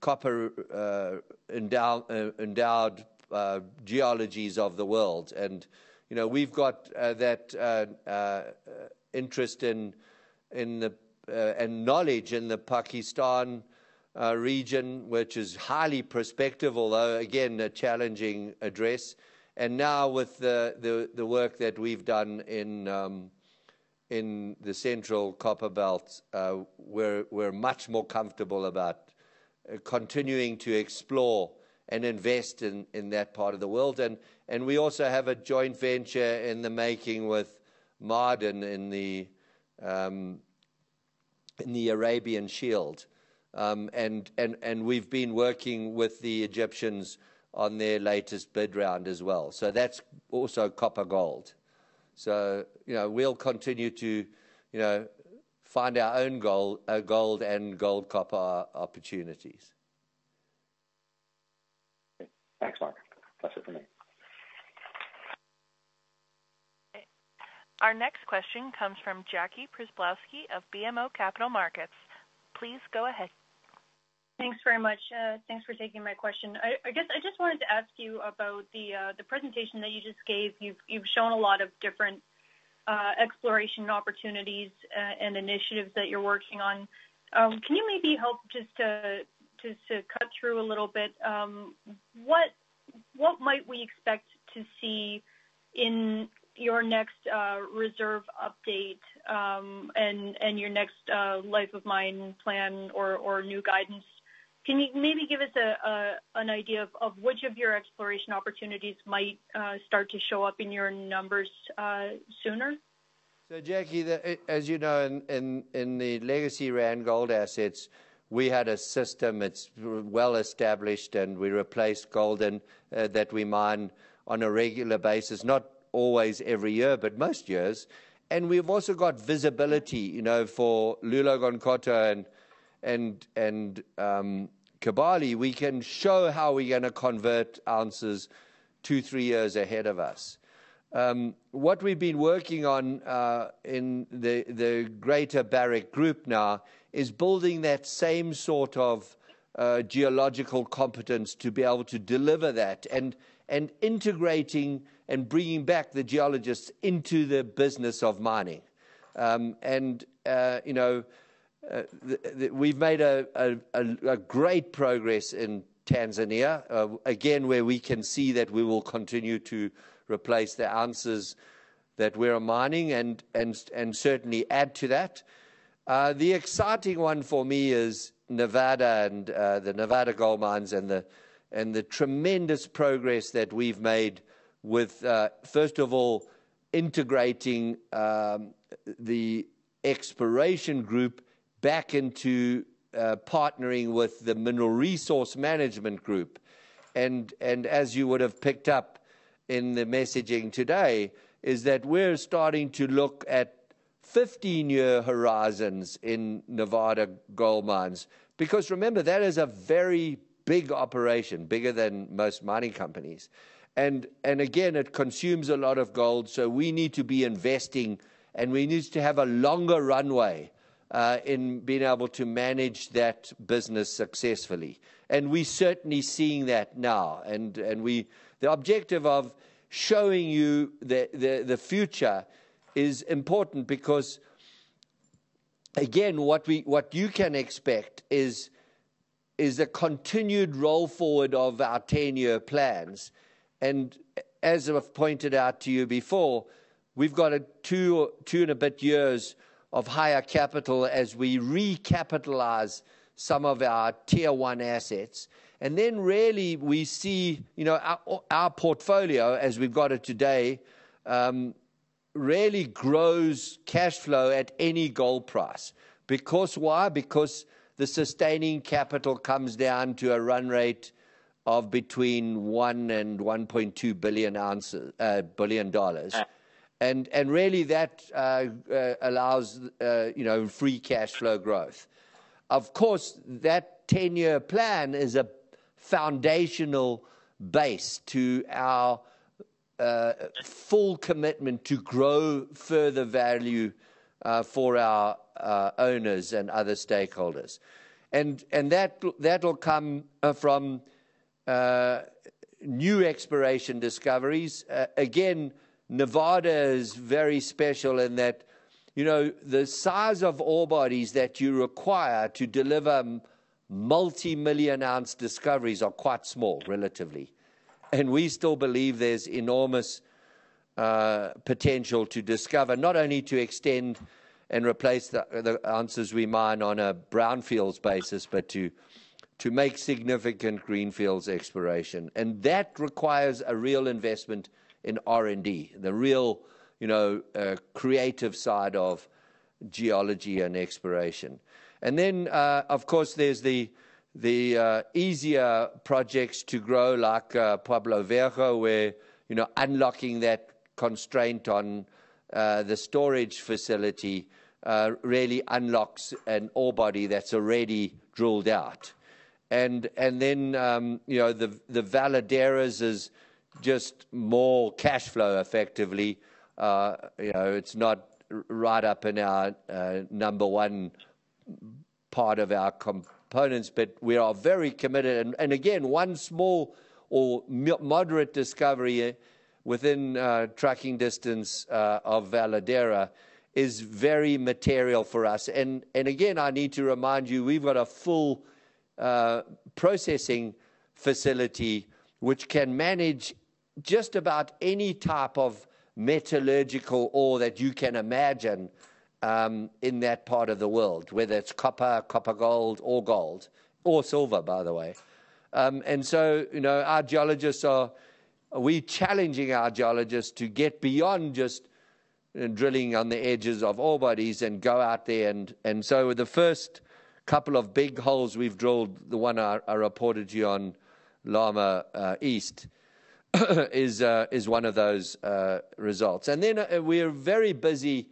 [SPEAKER 1] copper-endowed geologies of the world. We've got that interest and knowledge in the Pakistan region, which is highly prospective, although again, a challenging address. With the work that we've done in the Central Copper Belt, we're much more comfortable about continuing to explore and invest in that part of the world. We also have a joint venture in the making with Ma'aden in the Arabian Shield. We've been working with the Egyptians on their latest bid round as well. That's also copper gold. We'll continue to find our own gold and gold copper opportunities.
[SPEAKER 6] Thanks, Mark. That's it for me.
[SPEAKER 2] Our next question comes from Jackie Przybylowski of BMO Capital Markets. Please go ahead.
[SPEAKER 7] Thanks very much. Thanks for taking my question. I just wanted to ask you about the presentation that you just gave. You've shown a lot of different exploration opportunities and initiatives that you're working on. Can you maybe help just to cut through a little bit, what might we expect to see in your next reserve update, and your next life of mine plan or new guidance? Can you maybe give us an idea of which of your exploration opportunities might start to show up in your numbers sooner?
[SPEAKER 1] Jackie, as you know, in the legacy Randgold assets, we had a system it's well established, and we replaced gold that we mine on a regular basis, not always every year, but most years. We've also got visibility for Loulo-Gounkoto and Kibali. We can show how we're going to convert ounces two, three years ahead of us. What we've been working on in the greater Barrick group now is building that same sort of geological competence to be able to deliver that, and integrating and bringing back the geologists into the business of mining. We've made great progress in Tanzania, again, where we can see that we will continue to replace the ounces that we are mining and certainly add to that. The exciting one for me is Nevada and the Nevada Gold Mines and the tremendous progress that we've made with, first of all, integrating the exploration group back into partnering with the Mineral Resource Management group. As you would have picked up in the messaging today, we're starting to look at 15-year horizons in Nevada Gold Mines, because remember, that is a very big operation, bigger than most mining companies. Again, it consumes a lot of gold, so we need to be investing, and we need to have a longer runway in being able to manage that business successfully. We're certainly seeing that now. The objective of showing you the future is important because, again, what you can expect is a continued roll forward of our 10-year plans. As I've pointed out to you before, we've got two and a bit years of higher capital as we recapitalize some of our Tier one assets. Then really we see our portfolio as we've got it today, really grows cash flow at any gold price. Because why? Because the sustaining capital comes down to a run rate of between $1 billion and $1.2 billion.
[SPEAKER 7] Yeah.
[SPEAKER 1] Really that allows free cash flow growth. Of course, that 10-year plan is a foundational base to our full commitment to grow further value for our owners and other stakeholders. That'll come from new exploration discoveries. Again, Nevada is very special in that the size of ore bodies that you require to deliver multi-million-ounce discoveries are quite small, relatively. We still believe there's enormous potential to discover, not only to extend and replace the ounces we mine on a brownfields basis, but to make significant greenfields exploration. That requires a real investment in R&D, the real creative side of geology and exploration. Then, of course, there's the easier projects to grow, like Pueblo Viejo, where unlocking that constraint on the storage facility really unlocks an ore body that's already drilled out. Then the Veladero is just more cash flow effectively. It's not right up in our number one part of our components, but we are very committed. Again, one small or moderate discovery within tracking distance of Veladero is very material for us. Again, I need to remind you, we've got a full processing facility which can manage just about any type of metallurgical ore that you can imagine in that part of the world, whether it's copper gold or gold or silver, by the way. So we're challenging our geologists to get beyond just drilling on the edges of ore bodies and go out there. So the first couple of big holes we've drilled, the one I reported to you on Lama East is one of those results. We're very busy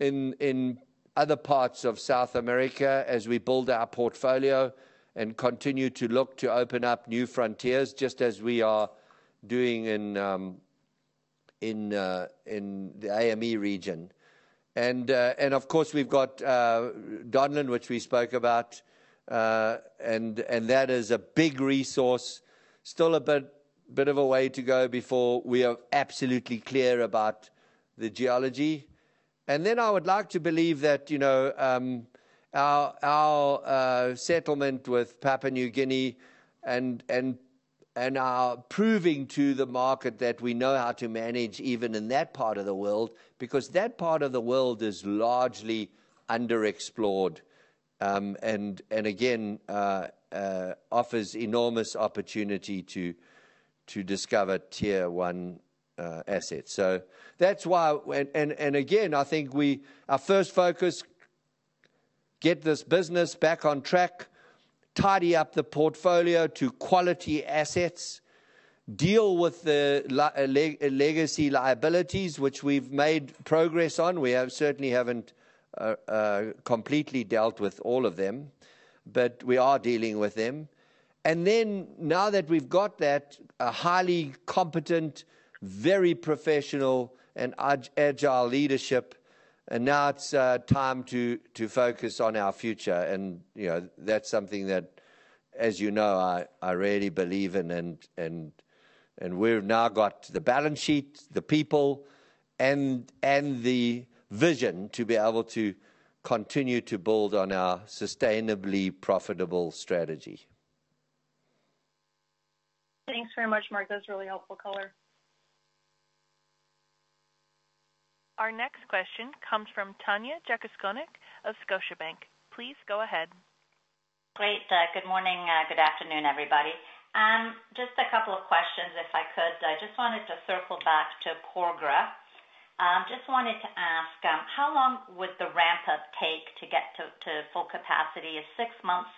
[SPEAKER 1] in other parts of South America as we build our portfolio and continue to look to open up new frontiers, just as we are doing in the AME region. Of course, we've got Donlin, which we spoke about, and that is a big resource. Still a bit of a way to go before we are absolutely clear about the geology. I would like to believe that our settlement with Papua New Guinea and our proving to the market that we know how to manage even in that part of the world, because that part of the world is largely underexplored, and again, offers enormous opportunity to discover Tier one assets. Again, I think our first focus, get this business back on track, tidy up the portfolio to quality assets, deal with the legacy liabilities, which we've made progress on. We certainly haven't completely dealt with all of them, but we are dealing with them. Then now that we've got that, a highly competent, very professional and agile leadership, and now it's time to focus on our future. That's something that, as you know, I really believe in. We've now got the balance sheet, the people and the vision to be able to continue to build on our sustainably profitable strategy.
[SPEAKER 7] Thanks very much, Mark. That's a really helpful color.
[SPEAKER 2] Our next question comes from Tanya Jakusconek of Scotiabank. Please go ahead.
[SPEAKER 8] Great. Good morning. Good afternoon, everybody. Just a couple of questions, if I could. I just wanted to circle back to Porgera. Just wanted to ask, how long would the ramp up take to get to full capacity? Is six months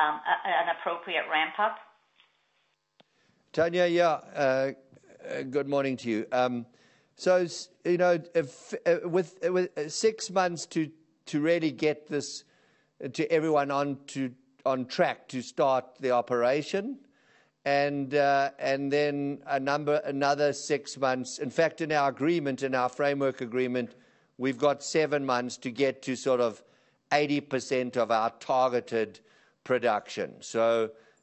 [SPEAKER 8] an appropriate ramp up?
[SPEAKER 1] Tanya, yeah. Good morning to you. With six months to really get this to everyone on track to start the operation and then another six months. In fact, in our agreement, in our framework agreement, we've got seven months to get to sort of 80% of our targeted production.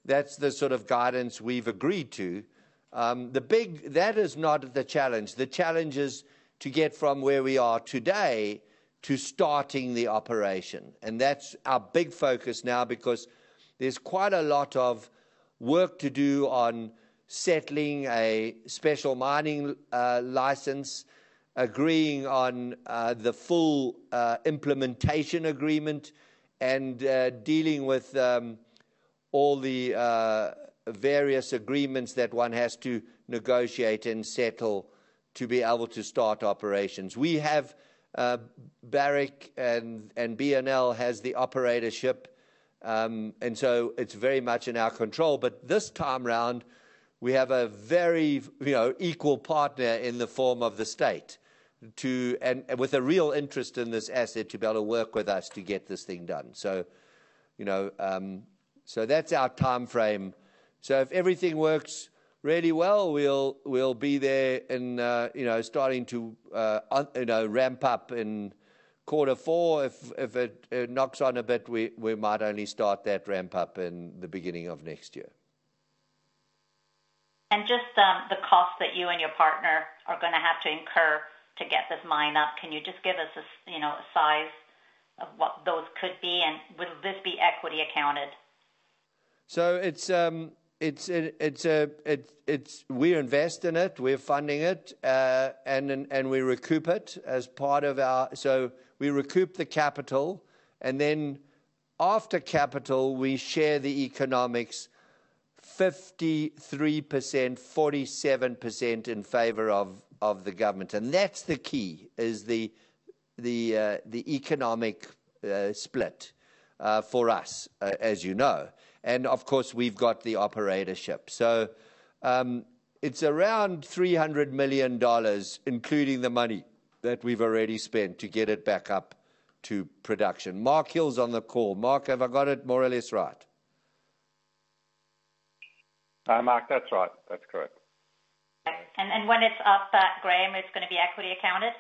[SPEAKER 1] That's the sort of guidance we've agreed to. That is not the challenge. The challenge is to get from where we are today to starting the operation. That's our big focus now because there's quite a lot of work to do on settling a special mining license, agreeing on the full implementation agreement and dealing with all the various agreements that one has to negotiate and settle to be able to start operations. We have Barrick and BNL has the operatorship, it's very much in our control. This time around, we have a very equal partner in the form of the state, and with a real interest in this asset to be able to work with us to get this thing done. That's our timeframe. If everything works really well, we'll be there and starting to ramp up in quarter four. If it knocks on a bit, we might only start that ramp up in the beginning of next year.
[SPEAKER 8] Just the cost that you and your partner are going to have to incur to get this mine up. Can you just give us a size of what those could be? Will this be equity accounted?
[SPEAKER 1] We invest in it, we're funding it, and we recoup it as part of our. We recoup the capital, and then after capital, we share the economics 53%, 47% in favor of the government. That's the key, is the economic split for us, as you know. Of course, we've got the operatorship. It's around $300 million, including the money that we've already spent to get it back up to production. Mark Hill's on the call. Mark, have I got it more or less right?
[SPEAKER 9] Mark, that's right. That's correct.
[SPEAKER 8] When it's up, Graham, it's going to be equity accounted?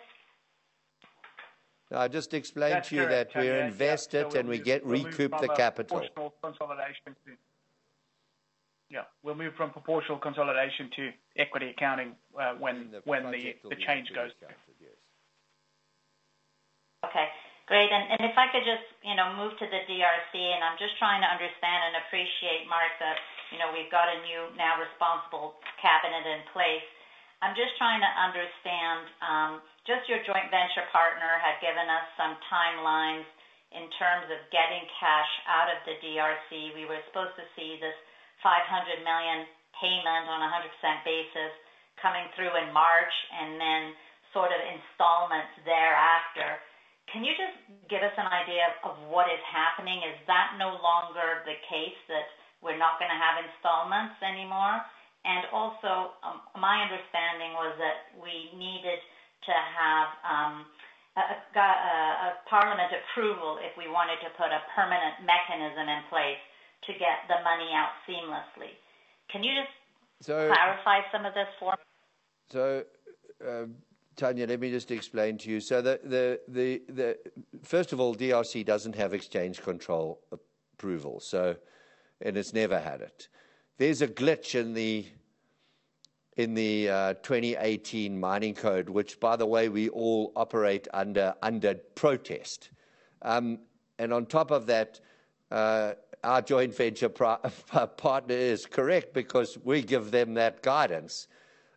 [SPEAKER 1] I just explained to you that we're invested and we recoup the capital.
[SPEAKER 10] Yeah. We'll move from proportional consolidation to equity accounting when the change goes through.
[SPEAKER 8] Okay, great. If I could just move to the DRC, I'm just trying to understand and appreciate, Mark, that we've got a new now responsible cabinet in place. I'm just trying to understand, your joint venture partner had given us some timelines in terms of getting cash out of the DRC. We were supposed to see this $500 million payment on 100% basis coming through in March and then sort of installments thereafter. Can you just give us an idea of what is happening? Is that no longer the case that we're not going to have installments anymore? My understanding was that we needed to have a parliament approval if we wanted to put a permanent mechanism in place to get the money out seamlessly. Can you just clarify some of this for me?
[SPEAKER 1] Tanya, let me just explain to you. First of all, DRC doesn't have exchange control approval, and it's never had it. There's a glitch in the 2018 mining code, which by the way, we all operate under protest. On top of that, our joint venture partner is correct because we give them that guidance.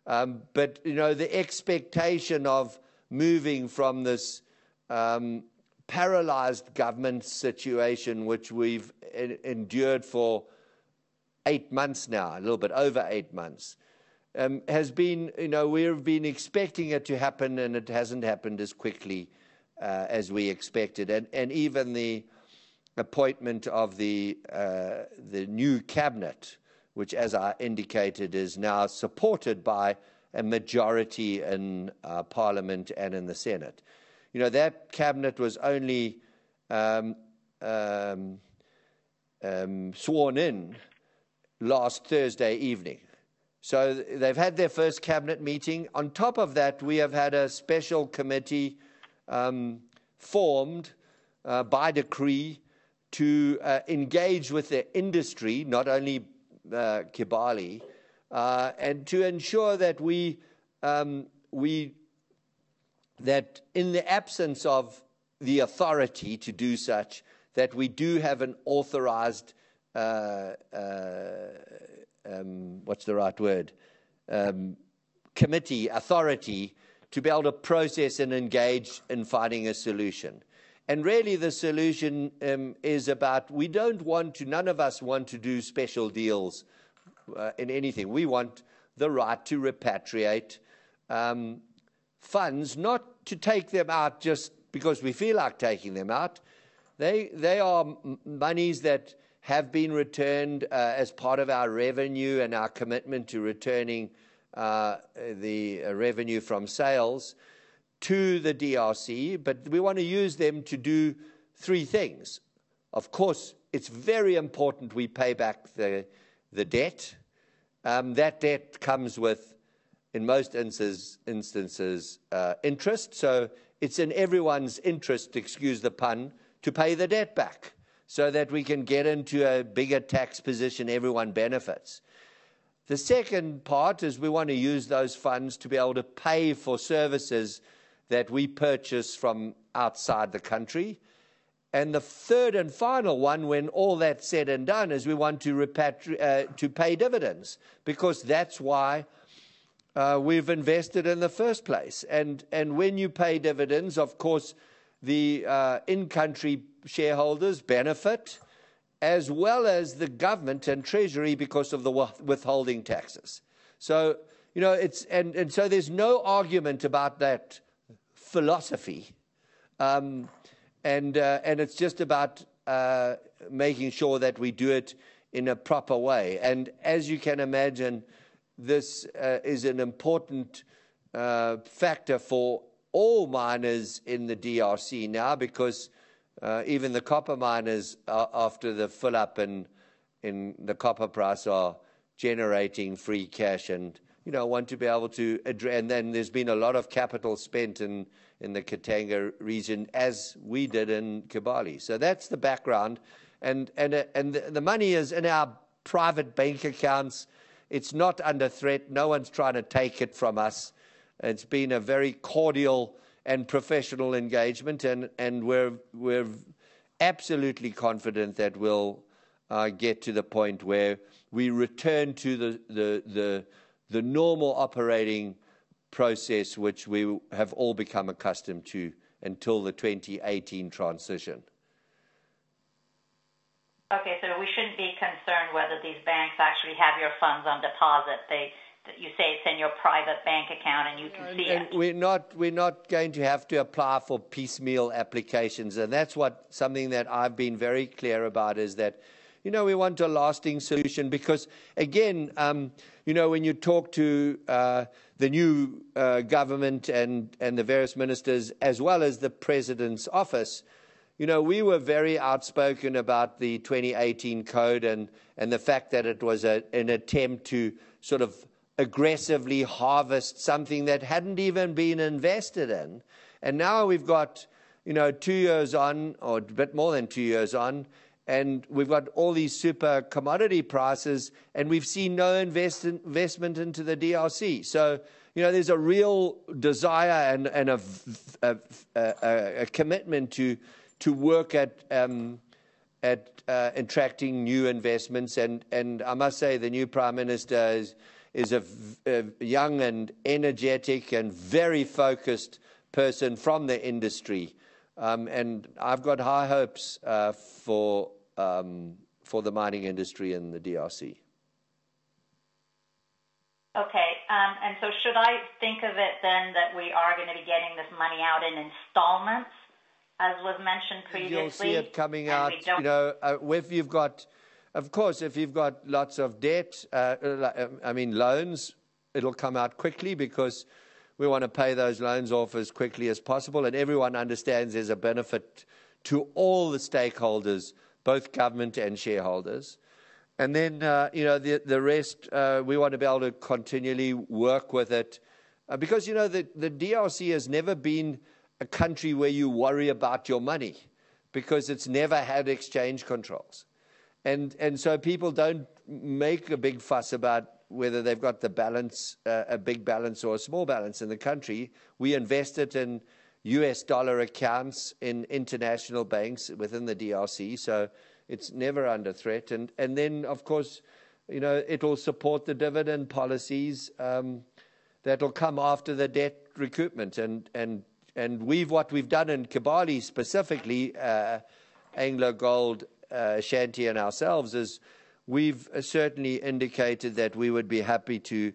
[SPEAKER 1] The expectation of moving from this paralyzed government situation, which we've endured for eight months now, a little bit over eight months, we've been expecting it to happen, and it hasn't happened as quickly as we expected. Even the appointment of the new cabinet, which as I indicated, is now supported by a majority in Parliament and in the Senate. That cabinet was only sworn in last Thursday evening. They've had their first cabinet meeting. On top of that, we have had a special committee formed by decree to engage with the industry, not only Kibali, and to ensure that in the absence of the authority to do such, that we do have an authorized, what's the right word? Committee authority to be able to process and engage in finding a solution. Really the solution is about we don't want to, none of us want to do special deals in anything. We want the right to repatriate funds, not to take them out just because we feel like taking them out. They are monies that have been returned as part of our revenue and our commitment to returning the revenue from sales to the DRC. We want to use them to do three things. Of course, it's very important we pay back the debt. That debt comes with, in most instances, interest. It's in everyone's interest, excuse the pun, to pay the debt back so that we can get into a bigger tax position, everyone benefits. The second part is we want to use those funds to be able to pay for services that we purchase from outside the country. The third and final one, when all that's said and done, is we want to pay dividends, because that's why we've invested in the first place. When you pay dividends, of course, the in-country shareholders benefit, as well as the government and treasury because of the withholding taxes. There's no argument about that philosophy. It's just about making sure that we do it in a proper way. As you can imagine, this is an important factor for all miners in the DRC now because even the copper miners after the run-up in the copper price are generating free cash. There's been a lot of capital spent in the Katanga region as we did in Kibali. That's the background and the money is in our private bank accounts. It's not under threat. No one's trying to take it from us. It's been a very cordial and professional engagement and we're absolutely confident that we'll get to the point where we return to the normal operating process, which we have all become accustomed to until the 2018 transition.
[SPEAKER 8] Okay. We shouldn't be concerned whether these banks actually have your funds on deposit. You say it's in your private bank account, and you can see it.
[SPEAKER 1] We're not going to have to apply for piecemeal applications, that's something that I've been very clear about, is that we want a lasting solution, because again, when you talk to the new government and the various ministers as well as the president's office, we were very outspoken about the 2018 code and the fact that it was an attempt to sort of aggressively harvest something that hadn't even been invested in. Now we've got two years on, or a bit more than two years on, we've got all these super commodity prices, we've seen no investment into the DRC. There's a real desire and a commitment to work at attracting new investments. I must say the new prime minister is a young and energetic and very focused person from the industry. I've got high hopes for the mining industry in the DRC.
[SPEAKER 8] Okay. Should I think of it then that we are going to be getting this money out in installments, as was mentioned previously?
[SPEAKER 1] You'll see it coming out.
[SPEAKER 8] And we don't-
[SPEAKER 1] Of course, if you've got lots of debt, I mean loans, it'll come out quickly because we want to pay those loans off as quickly as possible. Everyone understands there's a benefit to all the stakeholders, both government and shareholders. The rest, we want to be able to continually work with it. The DRC has never been a country where you worry about your money, because it's never had exchange controls. People don't make a big fuss about whether they've got the balance, a big balance or a small balance in the country. We invest it in U.S. dollar accounts in international banks within the DRC, so it's never under threat. Of course, it'll support the dividend policies that'll come after the debt recoupment. What we've done in Kibali specifically, AngloGold Ashanti and ourselves, is we've certainly indicated that we would be happy to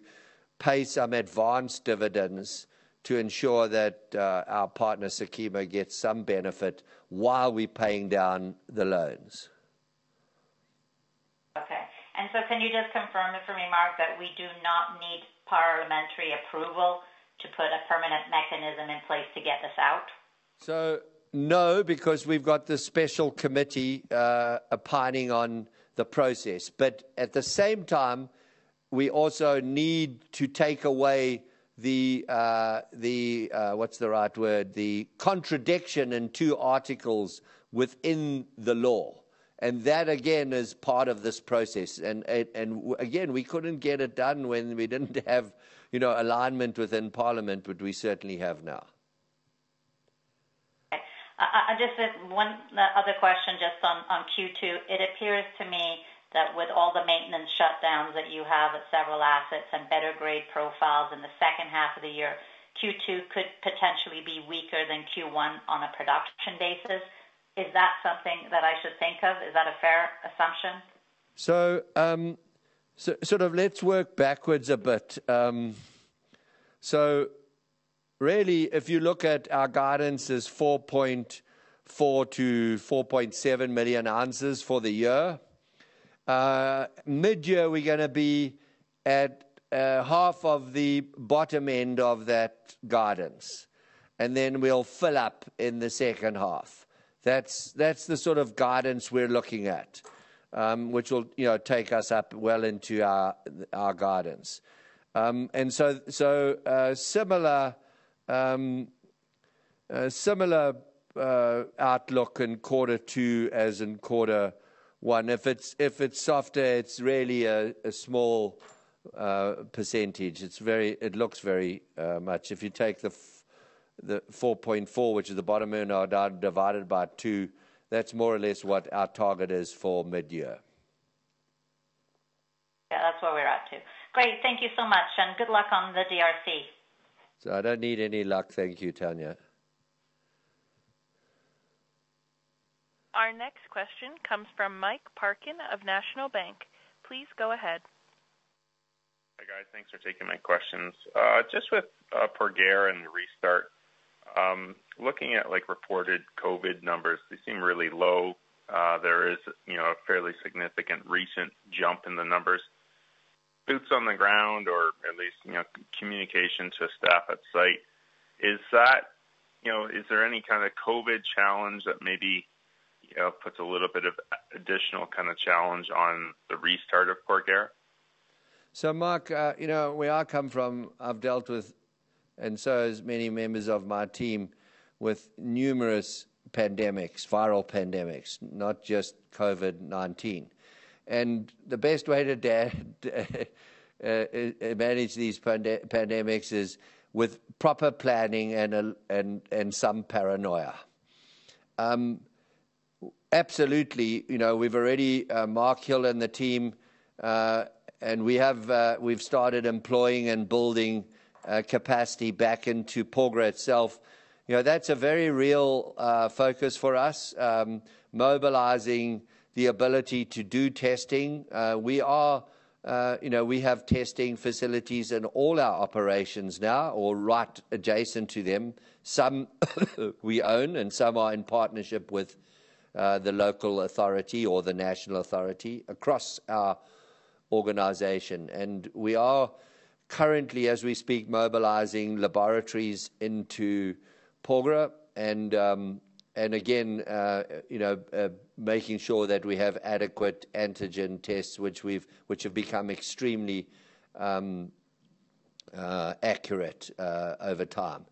[SPEAKER 1] pay some advanced dividends to ensure that our partner, at Kiba, gets some benefit while we're paying down the loans.
[SPEAKER 8] Can you just confirm this for me, Mark, that we do not need parliamentary approval to put a permanent mechanism in place to get this out?
[SPEAKER 1] No, because we've got this special committee opining on the process. At the same time, we also need to take away the, what's the right word, the contradiction in two articles within the law. That, again, is part of this process. Again, we couldn't get it done when we didn't have alignment within Parliament, but we certainly have now.
[SPEAKER 8] Okay. Just one other question just on Q2. It appears to me that with all the maintenance shutdowns that you have at several assets and better grade profiles in the second half of the year, Q2 could potentially be weaker than Q1 on a production basis. Is that something that I should think of? Is that a fair assumption?
[SPEAKER 1] Let's work backwards a bit. Really if you look at our guidance is 4.4 million to 4.7 million ounces for the year. Mid-year, we're going to be at half of the bottom end of that guidance, and then we'll fill up in the second half. That's the sort of guidance we're looking at, which will take us up well into our guidance. Similar outlook in quarter two as in quarter one. If it's softer, it's really a small percentage. It looks very much, if you take the 4.4 million ounces, which is the bottom end, divided by two, that's more or less what our target is for mid-year.
[SPEAKER 8] Yeah, that's where we're at too. Great. Thank you so much, and good luck on the DRC.
[SPEAKER 1] I don't need any luck. Thank you, Tanya.
[SPEAKER 2] Our next question comes from Mike Parkin of National Bank. Please go ahead.
[SPEAKER 11] Hi, guys. Thanks for taking my questions. Just with Porgera and the restart. Looking at reported COVID numbers, they seem really low. There is a fairly significant recent jump in the numbers. Boots on the ground or at least communication to staff at site, is there any kind of COVID challenge that maybe puts a little bit of additional kind of challenge on the restart of Porgera?
[SPEAKER 1] Mike, where I come from, I've dealt with, and so has many members of my team, with numerous pandemics, viral pandemics, not just COVID-19. The best way to manage these pandemics is with proper planning and some paranoia. Absolutely. Mark Hill and the team, we've started employing and building capacity back into Porgera itself. That's a very real focus for us, mobilizing the ability to do testing. We have testing facilities in all our operations now, or right adjacent to them. Some we own and some are in partnership with the local authority or the national authority across our organization. We are currently, as we speak, mobilizing laboratories into Porgera and again, making sure that we have adequate antigen tests which have become extremely accurate over time.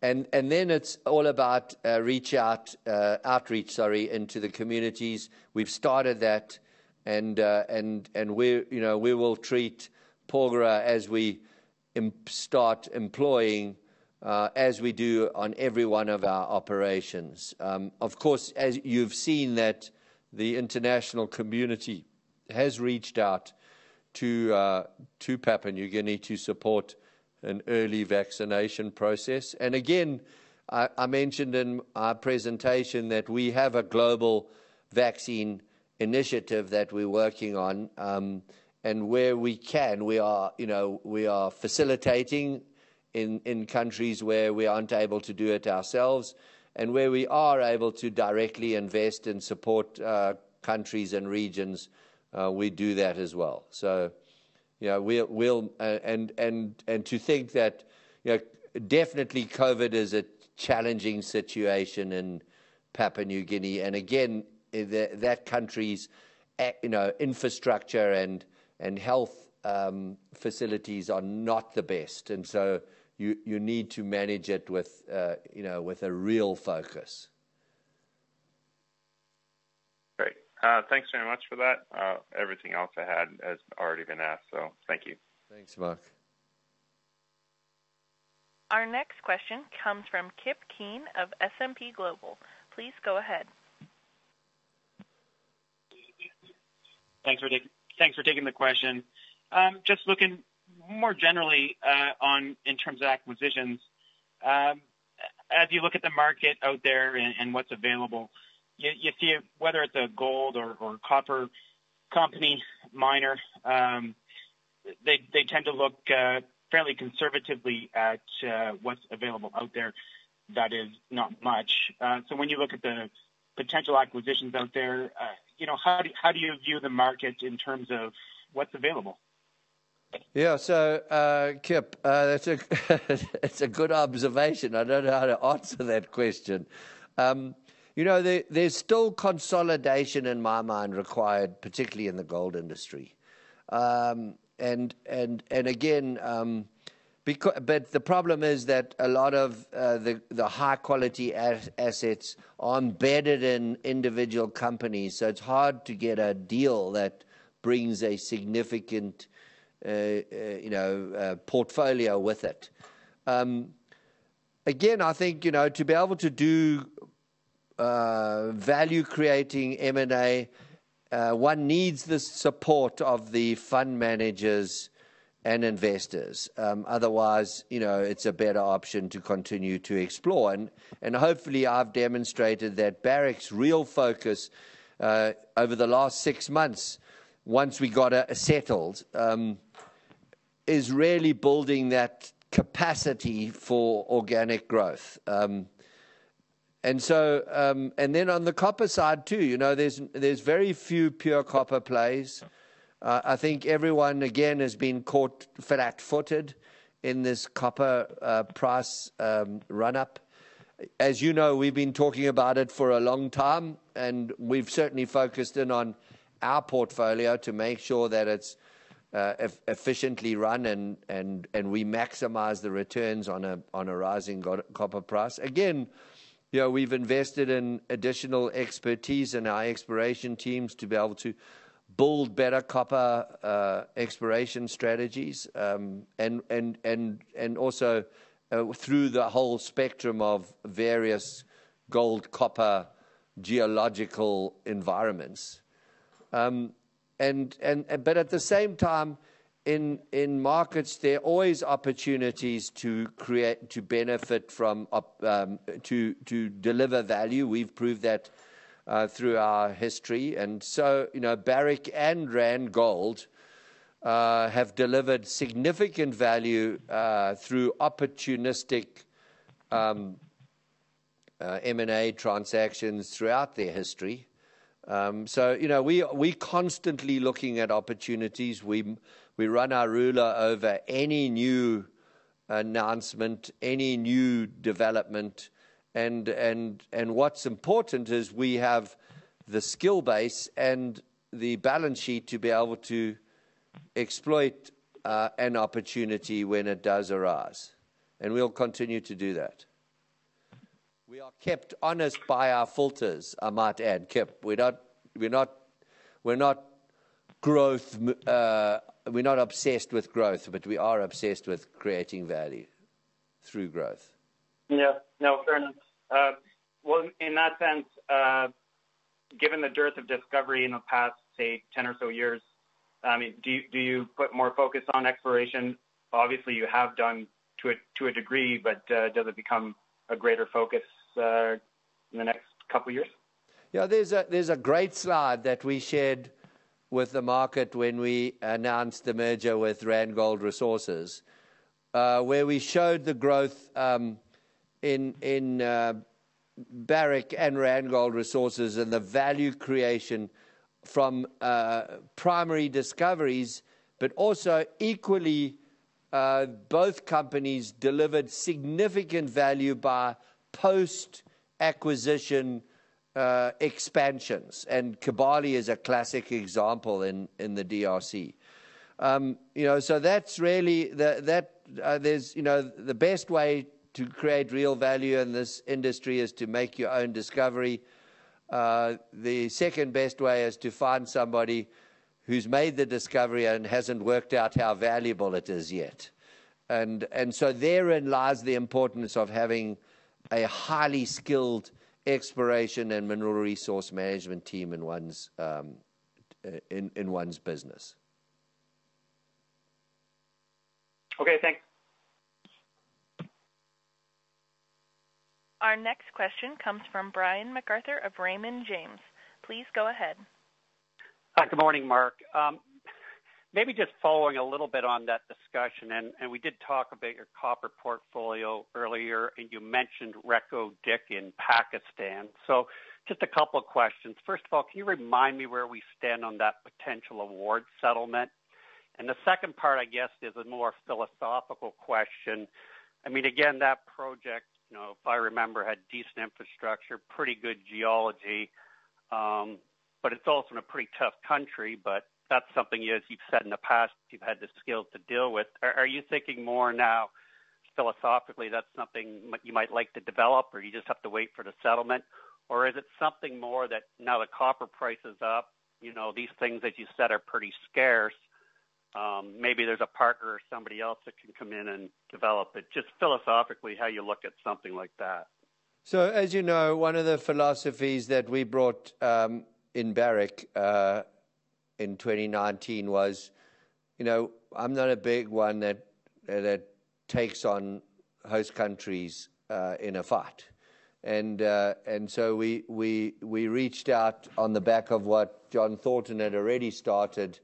[SPEAKER 1] Then it's all about outreach into the communities. We've started that. We will treat Porgera as we start employing, as we do on every one of our operations. Of course, as you've seen that the international community has reached out to Papua New Guinea to support an early vaccination process. Again, I mentioned in our presentation that we have a global vaccine initiative that we're working on. Where we can, we are facilitating in countries where we aren't able to do it ourselves, and where we are able to directly invest and support countries and regions, we do that as well. Definitely COVID is a challenging situation in Papua New Guinea. Again, that country's infrastructure and health facilities are not the best. You need to manage it with a real focus.
[SPEAKER 11] Great. Thanks very much for that. Everything else I had has already been asked. Thank you.
[SPEAKER 1] Thanks, Mark.
[SPEAKER 2] Our next question comes from Kip Keen of S&P Global. Please go ahead.
[SPEAKER 12] Thanks for taking the question. Just looking more generally in terms of acquisitions, as you look at the market out there and what's available, you see whether it's a gold or copper company miner, they tend to look fairly conservatively at what's available out there. That is not much. When you look at the potential acquisitions out there, how do you view the market in terms of what's available?
[SPEAKER 1] Yeah. Kip, it's a good observation. I don't know how to answer that question. There's still consolidation in my mind required, particularly in the gold industry. The problem is that a lot of the high-quality assets are embedded in individual companies. It's hard to get a deal that brings a significant portfolio with it. Again, I think to be able to do value-creating M&A, one needs the support of the fund managers and investors. Otherwise, it's a better option to continue to explore. Hopefully I've demonstrated that Barrick's real focus over the last six months, once we got settled, is really building that capacity for organic growth. On the copper side too, there's very few pure copper plays. I think everyone, again, has been caught flat-footed in this copper price run-up. As you know, we've been talking about it for a long time, and we've certainly focused in on our portfolio to make sure that it's efficiently run and we maximize the returns on a rising copper price. Again, we've invested in additional expertise in our exploration teams to be able to build better copper exploration strategies, and also through the whole spectrum of various gold-copper geological environments. At the same time, in markets, there are always opportunities to deliver value. We've proved that through our history. Barrick and Randgold have delivered significant value through opportunistic M&A transactions throughout their history. We constantly looking at opportunities. We run our ruler over any new announcement, any new development. What's important is we have the skill base and the balance sheet to be able to exploit an opportunity when it does arise. We'll continue to do that. We are kept honest by our filters, I might add, Kip. We're not obsessed with growth, but we are obsessed with creating value through growth.
[SPEAKER 12] Yeah. No, fair enough. Well, in that sense, given the dearth of discovery in the past, say, 10 or so years, do you put more focus on exploration? Obviously, you have done to a degree, but does it become a greater focus in the next couple years?
[SPEAKER 1] Yeah, there's a great slide that we shared with the market when we announced the merger with Randgold Resources, where we showed the growth in Barrick and Randgold Resources and the value creation from primary discoveries. Also equally, both companies delivered significant value by post-acquisition expansions. Kibali is a classic example in the DRC. The best way to create real value in this industry is to make your own discovery. The second-best way is to find somebody who's made the discovery and hasn't worked out how valuable it is yet. Therein lies the importance of having a highly skilled exploration and Mineral Resource Management team in one's business.
[SPEAKER 12] Okay, thanks.
[SPEAKER 2] Our next question comes from Brian MacArthur of Raymond James. Please go ahead.
[SPEAKER 13] Hi, good morning, Mark. Maybe just following a little bit on that discussion, and we did talk about your copper portfolio earlier, and you mentioned Reko Diq in Pakistan. Just a couple of questions. First of all, can you remind me where we stand on that potential award settlement? The second part, I guess, is a more philosophical question. Again, that project, if I remember, had decent infrastructure, pretty good geology, but it's also in a pretty tough country, but that's something as you've said in the past, you've had the skills to deal with. Are you thinking more now philosophically that's something you might like to develop or you just have to wait for the settlement? Is it something more that now that copper price is up, these things that you said are pretty scarce, maybe there's a partner or somebody else that can come in and develop it. Just philosophically how you look at something like that.
[SPEAKER 1] As you know, one of the philosophies that we brought in Barrick in 2019 was, I'm not a big one that takes on host countries in a fight. We reached out on the back of what John Thornton had already started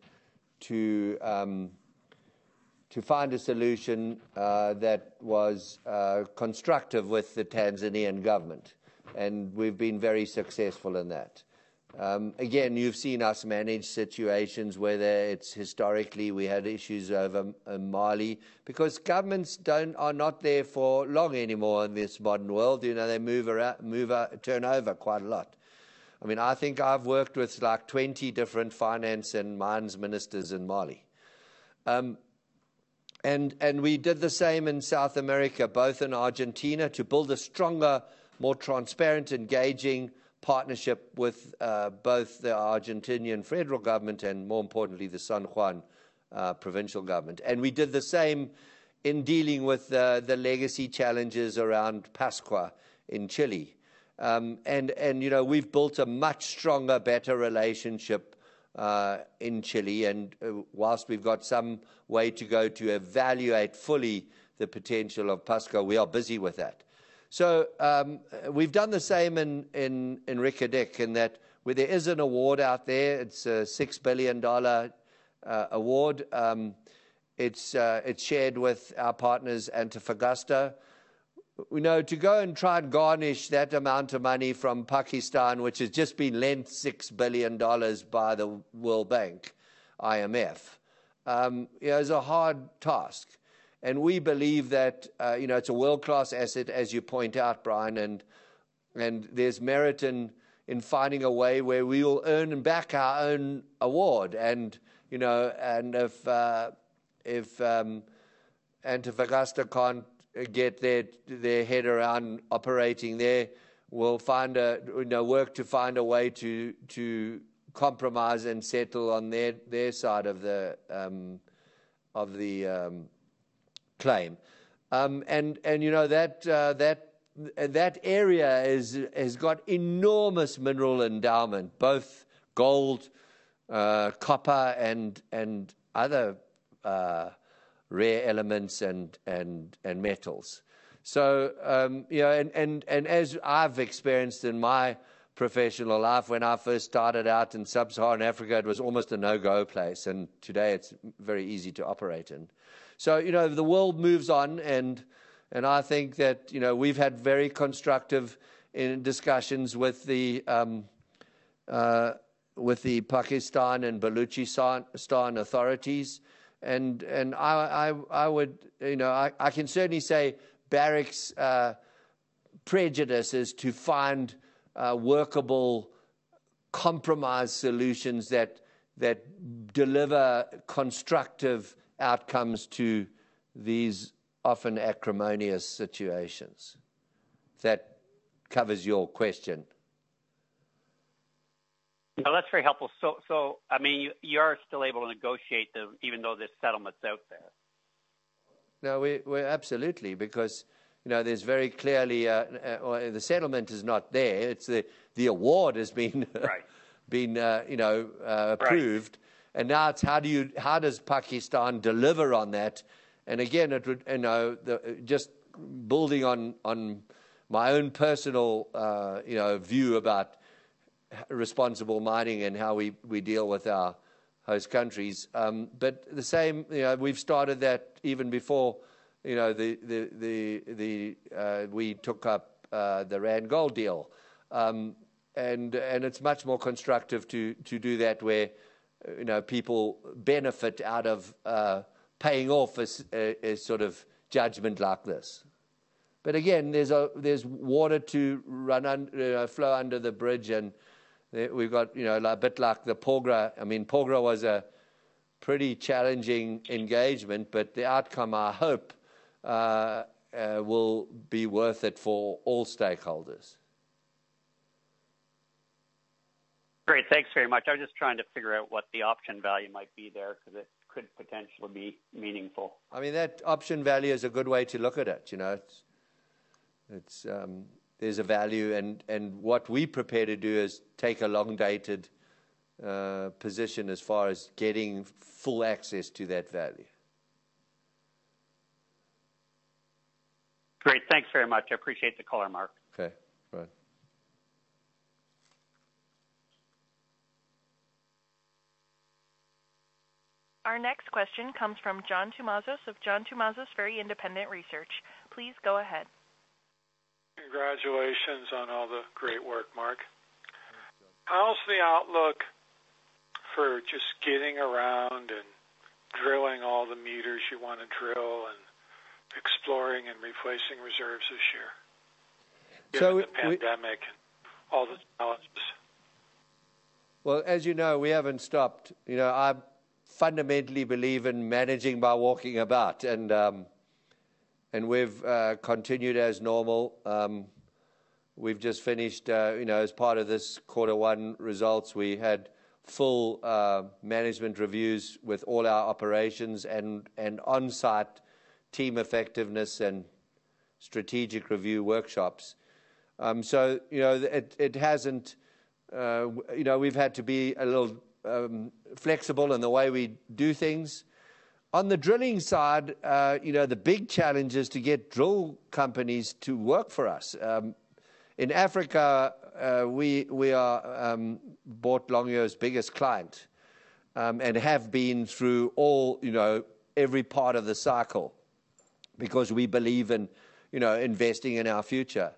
[SPEAKER 1] to find a solution that was constructive with the Tanzanian government. We've been very successful in that. Again, you've seen us manage situations whether it's historically we had issues over in Mali because governments are not there for long anymore in this modern world. They move around, turn over quite a lot. I think I've worked with 20 different finance and mines ministers in Mali. We did the same in South America, both in Argentina to build a stronger, more transparent, engaging partnership with both the Argentinian federal government and more importantly, the San Juan provincial government. We did the same in dealing with the legacy challenges around Pascua in Chile. We've built a much stronger, better relationship in Chile, and whilst we've got some way to go to evaluate fully the potential of Pascua, we are busy with that. We've done the same in Reko Diq in that where there is an award out there, it's a $6 billion award. It's shared with our partners, Antofagasta. To go and try and garnish that amount of money from Pakistan, which has just been lent $6 billion by the World Bank, IMF is a hard task. We believe that it's a world-class asset, as you point out, Brian, and there's merit in finding a way where we will earn back our own award. If Antofagasta can't get their head around operating there, we'll work to find a way to compromise and settle on their side of the claim. That area has got enormous mineral endowment, both gold, copper and other rare elements and metals. As I've experienced in my professional life when I first started out in sub-Saharan Africa, it was almost a no-go place, and today it's very easy to operate in. The world moves on, and I think that we've had very constructive discussions with the Pakistan and Baluchistan authorities. I can certainly say Barrick's prejudice is to find workable compromise solutions that deliver constructive outcomes to these often acrimonious situations. That covers your question.
[SPEAKER 13] No, that's very helpful. You are still able to negotiate them even though this settlement's out there.
[SPEAKER 1] No, absolutely, because there's very clearly The settlement is not there.
[SPEAKER 13] Right
[SPEAKER 1] been approved. Now it's how does Pakistan deliver on that? Again, just building on my own personal view about responsible mining and how we deal with our host countries. The same, we've started that even before we took up the Randgold deal. It's much more constructive to do that where people benefit out of paying off a sort of judgment like this. Again, there's water to flow under the bridge, and we've got a bit like the Porgera. Porgera was a pretty challenging engagement, but the outcome, I hope, will be worth it for all stakeholders.
[SPEAKER 13] Great. Thanks very much. I'm just trying to figure out what the option value might be there because it could potentially be meaningful.
[SPEAKER 1] That option value is a good way to look at it. There's a value and what we prepare to do is take a long-dated position as far as getting full access to that value.
[SPEAKER 13] Great. Thanks very much. I appreciate the color, Mark.
[SPEAKER 1] Okay. Right.
[SPEAKER 2] Our next question comes from John Tumazos of John Tumazos Very Independent Research. Please go ahead.
[SPEAKER 14] Congratulations on all the great work, Mark.
[SPEAKER 1] Thank you.
[SPEAKER 14] How's the outlook for just getting around and drilling all the meters you want to drill and exploring and replacing reserves this year?
[SPEAKER 1] So we-
[SPEAKER 14] Given the pandemic and all the challenges.
[SPEAKER 1] Well, as you know, we haven't stopped. I fundamentally believe in managing by walking about, and we've continued as normal. We've just finished as part of this quarter 1 results. We had full management reviews with all our operations and onsite team effectiveness and strategic review workshops. We've had to be a little flexible in the way we do things. On the drilling side, the big challenge is to get drill companies to work for us. In Africa, we are Boart Longyear's biggest client and have been through every part of the cycle because we believe in investing in our future.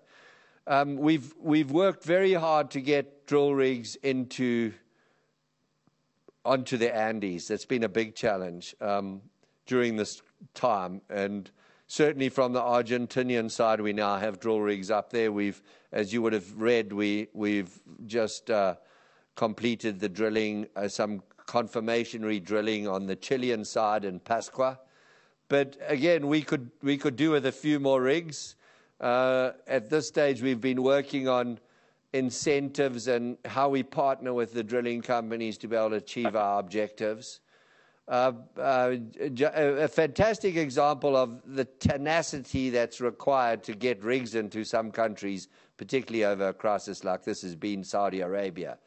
[SPEAKER 1] We've worked very hard to get drill rigs onto the Andes. That's been a big challenge during this time. Certainly from the Argentinian side, we now have drill rigs up there. As you would've read, we've just completed the drilling, some confirmation re-drilling on the Chilean side in Pascua. Again, we could do with a few more rigs. At this stage, we've been working on incentives and how we partner with the drilling companies to be able to achieve our objectives. A fantastic example of the tenacity that's required to get rigs into some countries, particularly over a crisis like this, has been Saudi Arabia.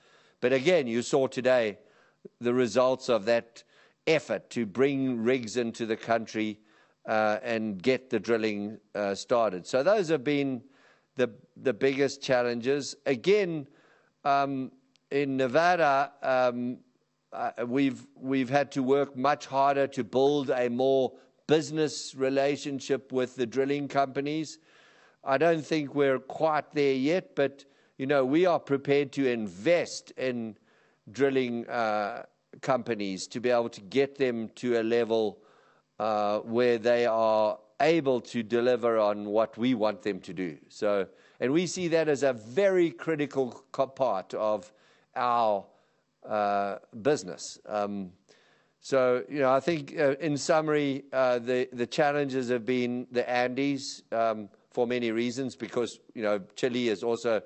[SPEAKER 1] Again, you saw today the results of that effort to bring rigs into the country and get the drilling started. Those have been the biggest challenges. Again, in Nevada, we've had to work much harder to build a more business relationship with the drilling companies. I don't think we're quite there yet, but we are prepared to invest in drilling companies to be able to get them to a level where they are able to deliver on what we want them to do. We see that as a very critical part of our business. I think in summary, the challenges have been the Andes, for many reasons, because Chile has also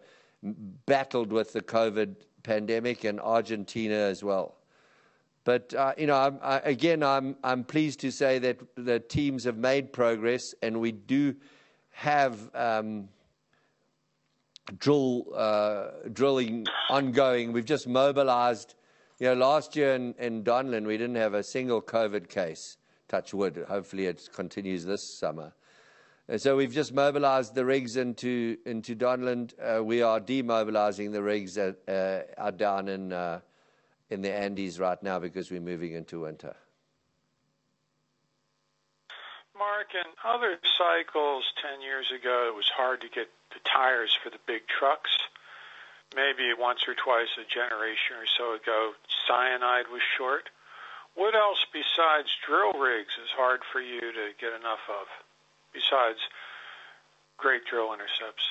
[SPEAKER 1] battled with the COVID pandemic and Argentina as well. Again, I'm pleased to say that the teams have made progress and we do have drilling ongoing. We've just mobilized. Last year in Donlin, we didn't have a single COVID case, touch wood. Hopefully it continues this summer. We've just mobilized the rigs into Donlin. We are demobilizing the rigs that are down in the Andes right now because we're moving into winter.
[SPEAKER 14] Mark, in other cycles 10 years ago, it was hard to get the tires for the big trucks. Maybe once or twice a generation or so ago, cyanide was short. What else besides drill rigs is hard for you to get enough of, besides great drill intercepts?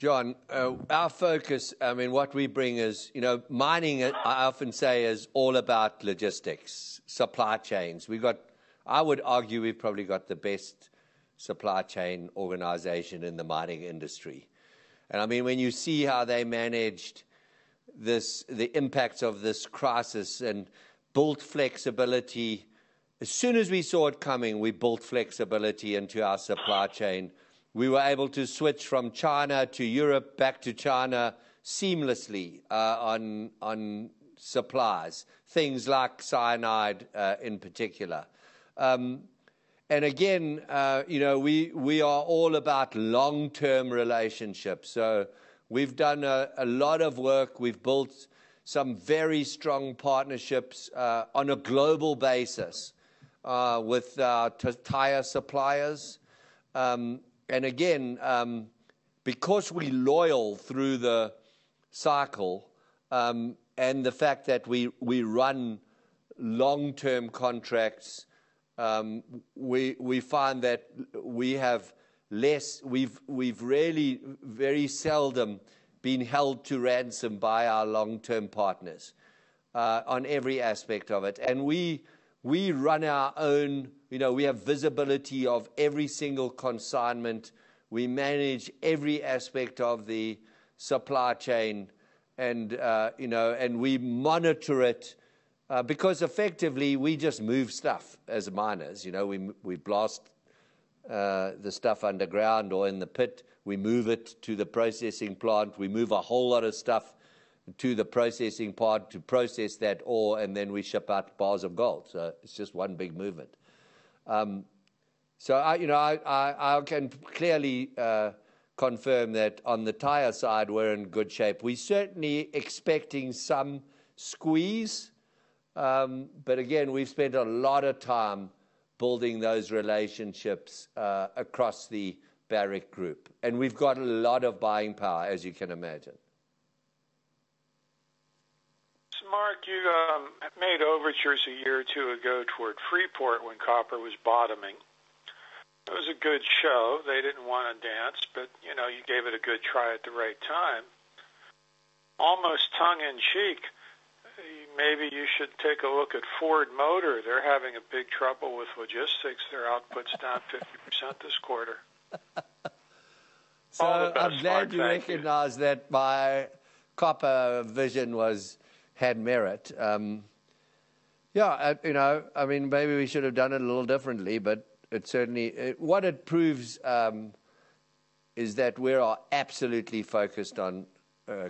[SPEAKER 1] John, our focus, what we bring is mining, I often say is all about logistics, supply chains. I would argue we've probably got the best supply chain organization in the mining industry. When you see how they managed the impact of this crisis and built flexibility, as soon as we saw it coming, we built flexibility into our supply chain. We were able to switch from China to Europe back to China seamlessly on supplies, things like cyanide, in particular. Again, we are all about long-term relationships. We've done a lot of work. We've built some very strong partnerships on a global basis with tire suppliers. Again, because we're loyal through the cycle, and the fact that we run long-term contracts, we find that we've really very seldom been held to ransom by our long-term partners on every aspect of it. We have visibility of every single consignment. We manage every aspect of the supply chain and we monitor it, because effectively, we just move stuff as miners. We blast the stuff underground or in the pit. We move it to the processing plant. We move a whole lot of stuff to the processing plant to process that ore, and then we ship out bars of gold. It's just one big movement. I can clearly confirm that on the tire side, we're in good shape. We're certainly expecting some squeeze. Again, we've spent a lot of time building those relationships across the Barrick group, and we've got a lot of buying power, as you can imagine.
[SPEAKER 14] Mark, you made overtures a year or two ago toward Freeport when copper was bottoming. It was a good show. They didn't want to dance, but you gave it a good try at the right time. Almost tongue in cheek, maybe you should take a look at Ford Motor. They're having a big trouble with logistics. Their output's down 50% this quarter. All in fun, Mark. Thank you.
[SPEAKER 1] I'm glad you recognize that my copper vision had merit. Yeah. Maybe we should have done it a little differently, what it proves is that we are absolutely focused on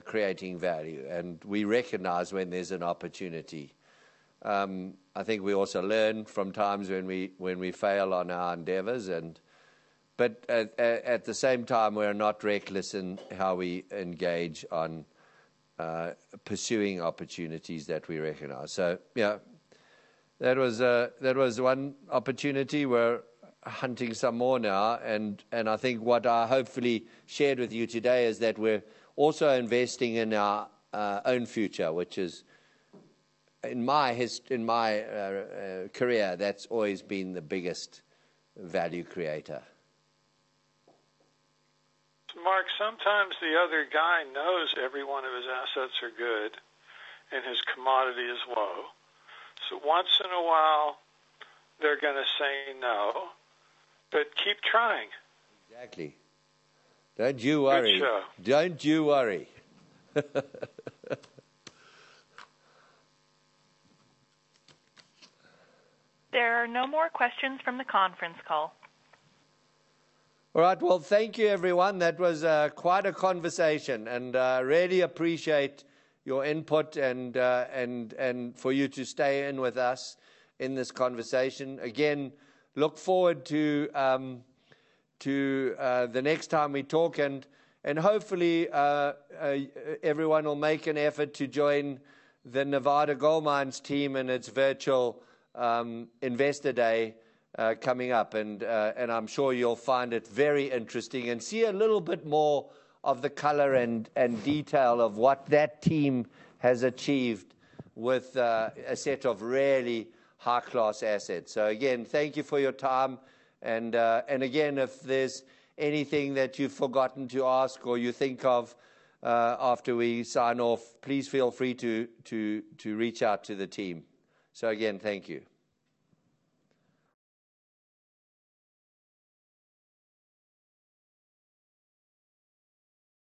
[SPEAKER 1] creating value, we recognize when there's an opportunity. I think we also learn from times when we fail on our endeavors, at the same time, we are not reckless in how we engage on pursuing opportunities that we recognize. Yeah, that was one opportunity. We're hunting some more now. I think what I hopefully shared with you today is that we're also investing in our own future, which is in my career, that's always been the biggest value creator.
[SPEAKER 14] Mark, sometimes the other guy knows every one of his assets are good and his commodity is low. Once in a while, they're going to say no, but keep trying.
[SPEAKER 1] Exactly. Don't you worry.
[SPEAKER 14] Good stuff.
[SPEAKER 1] Don't you worry.
[SPEAKER 2] There are no more questions from the conference call.
[SPEAKER 1] All right. Well, thank you everyone. That was quite a conversation and I really appreciate your input and for you to stay in with us in this conversation. Look forward to the next time we talk and hopefully, everyone will make an effort to join the Nevada Gold Mines team in its virtual investor day coming up. I'm sure you'll find it very interesting and see a little bit more of the color and detail of what that team has achieved with a set of really high-class assets. Again, thank you for your time. Again, if there's anything that you've forgotten to ask or you think of after we sign off, please feel free to reach out to the team. Again, thank you.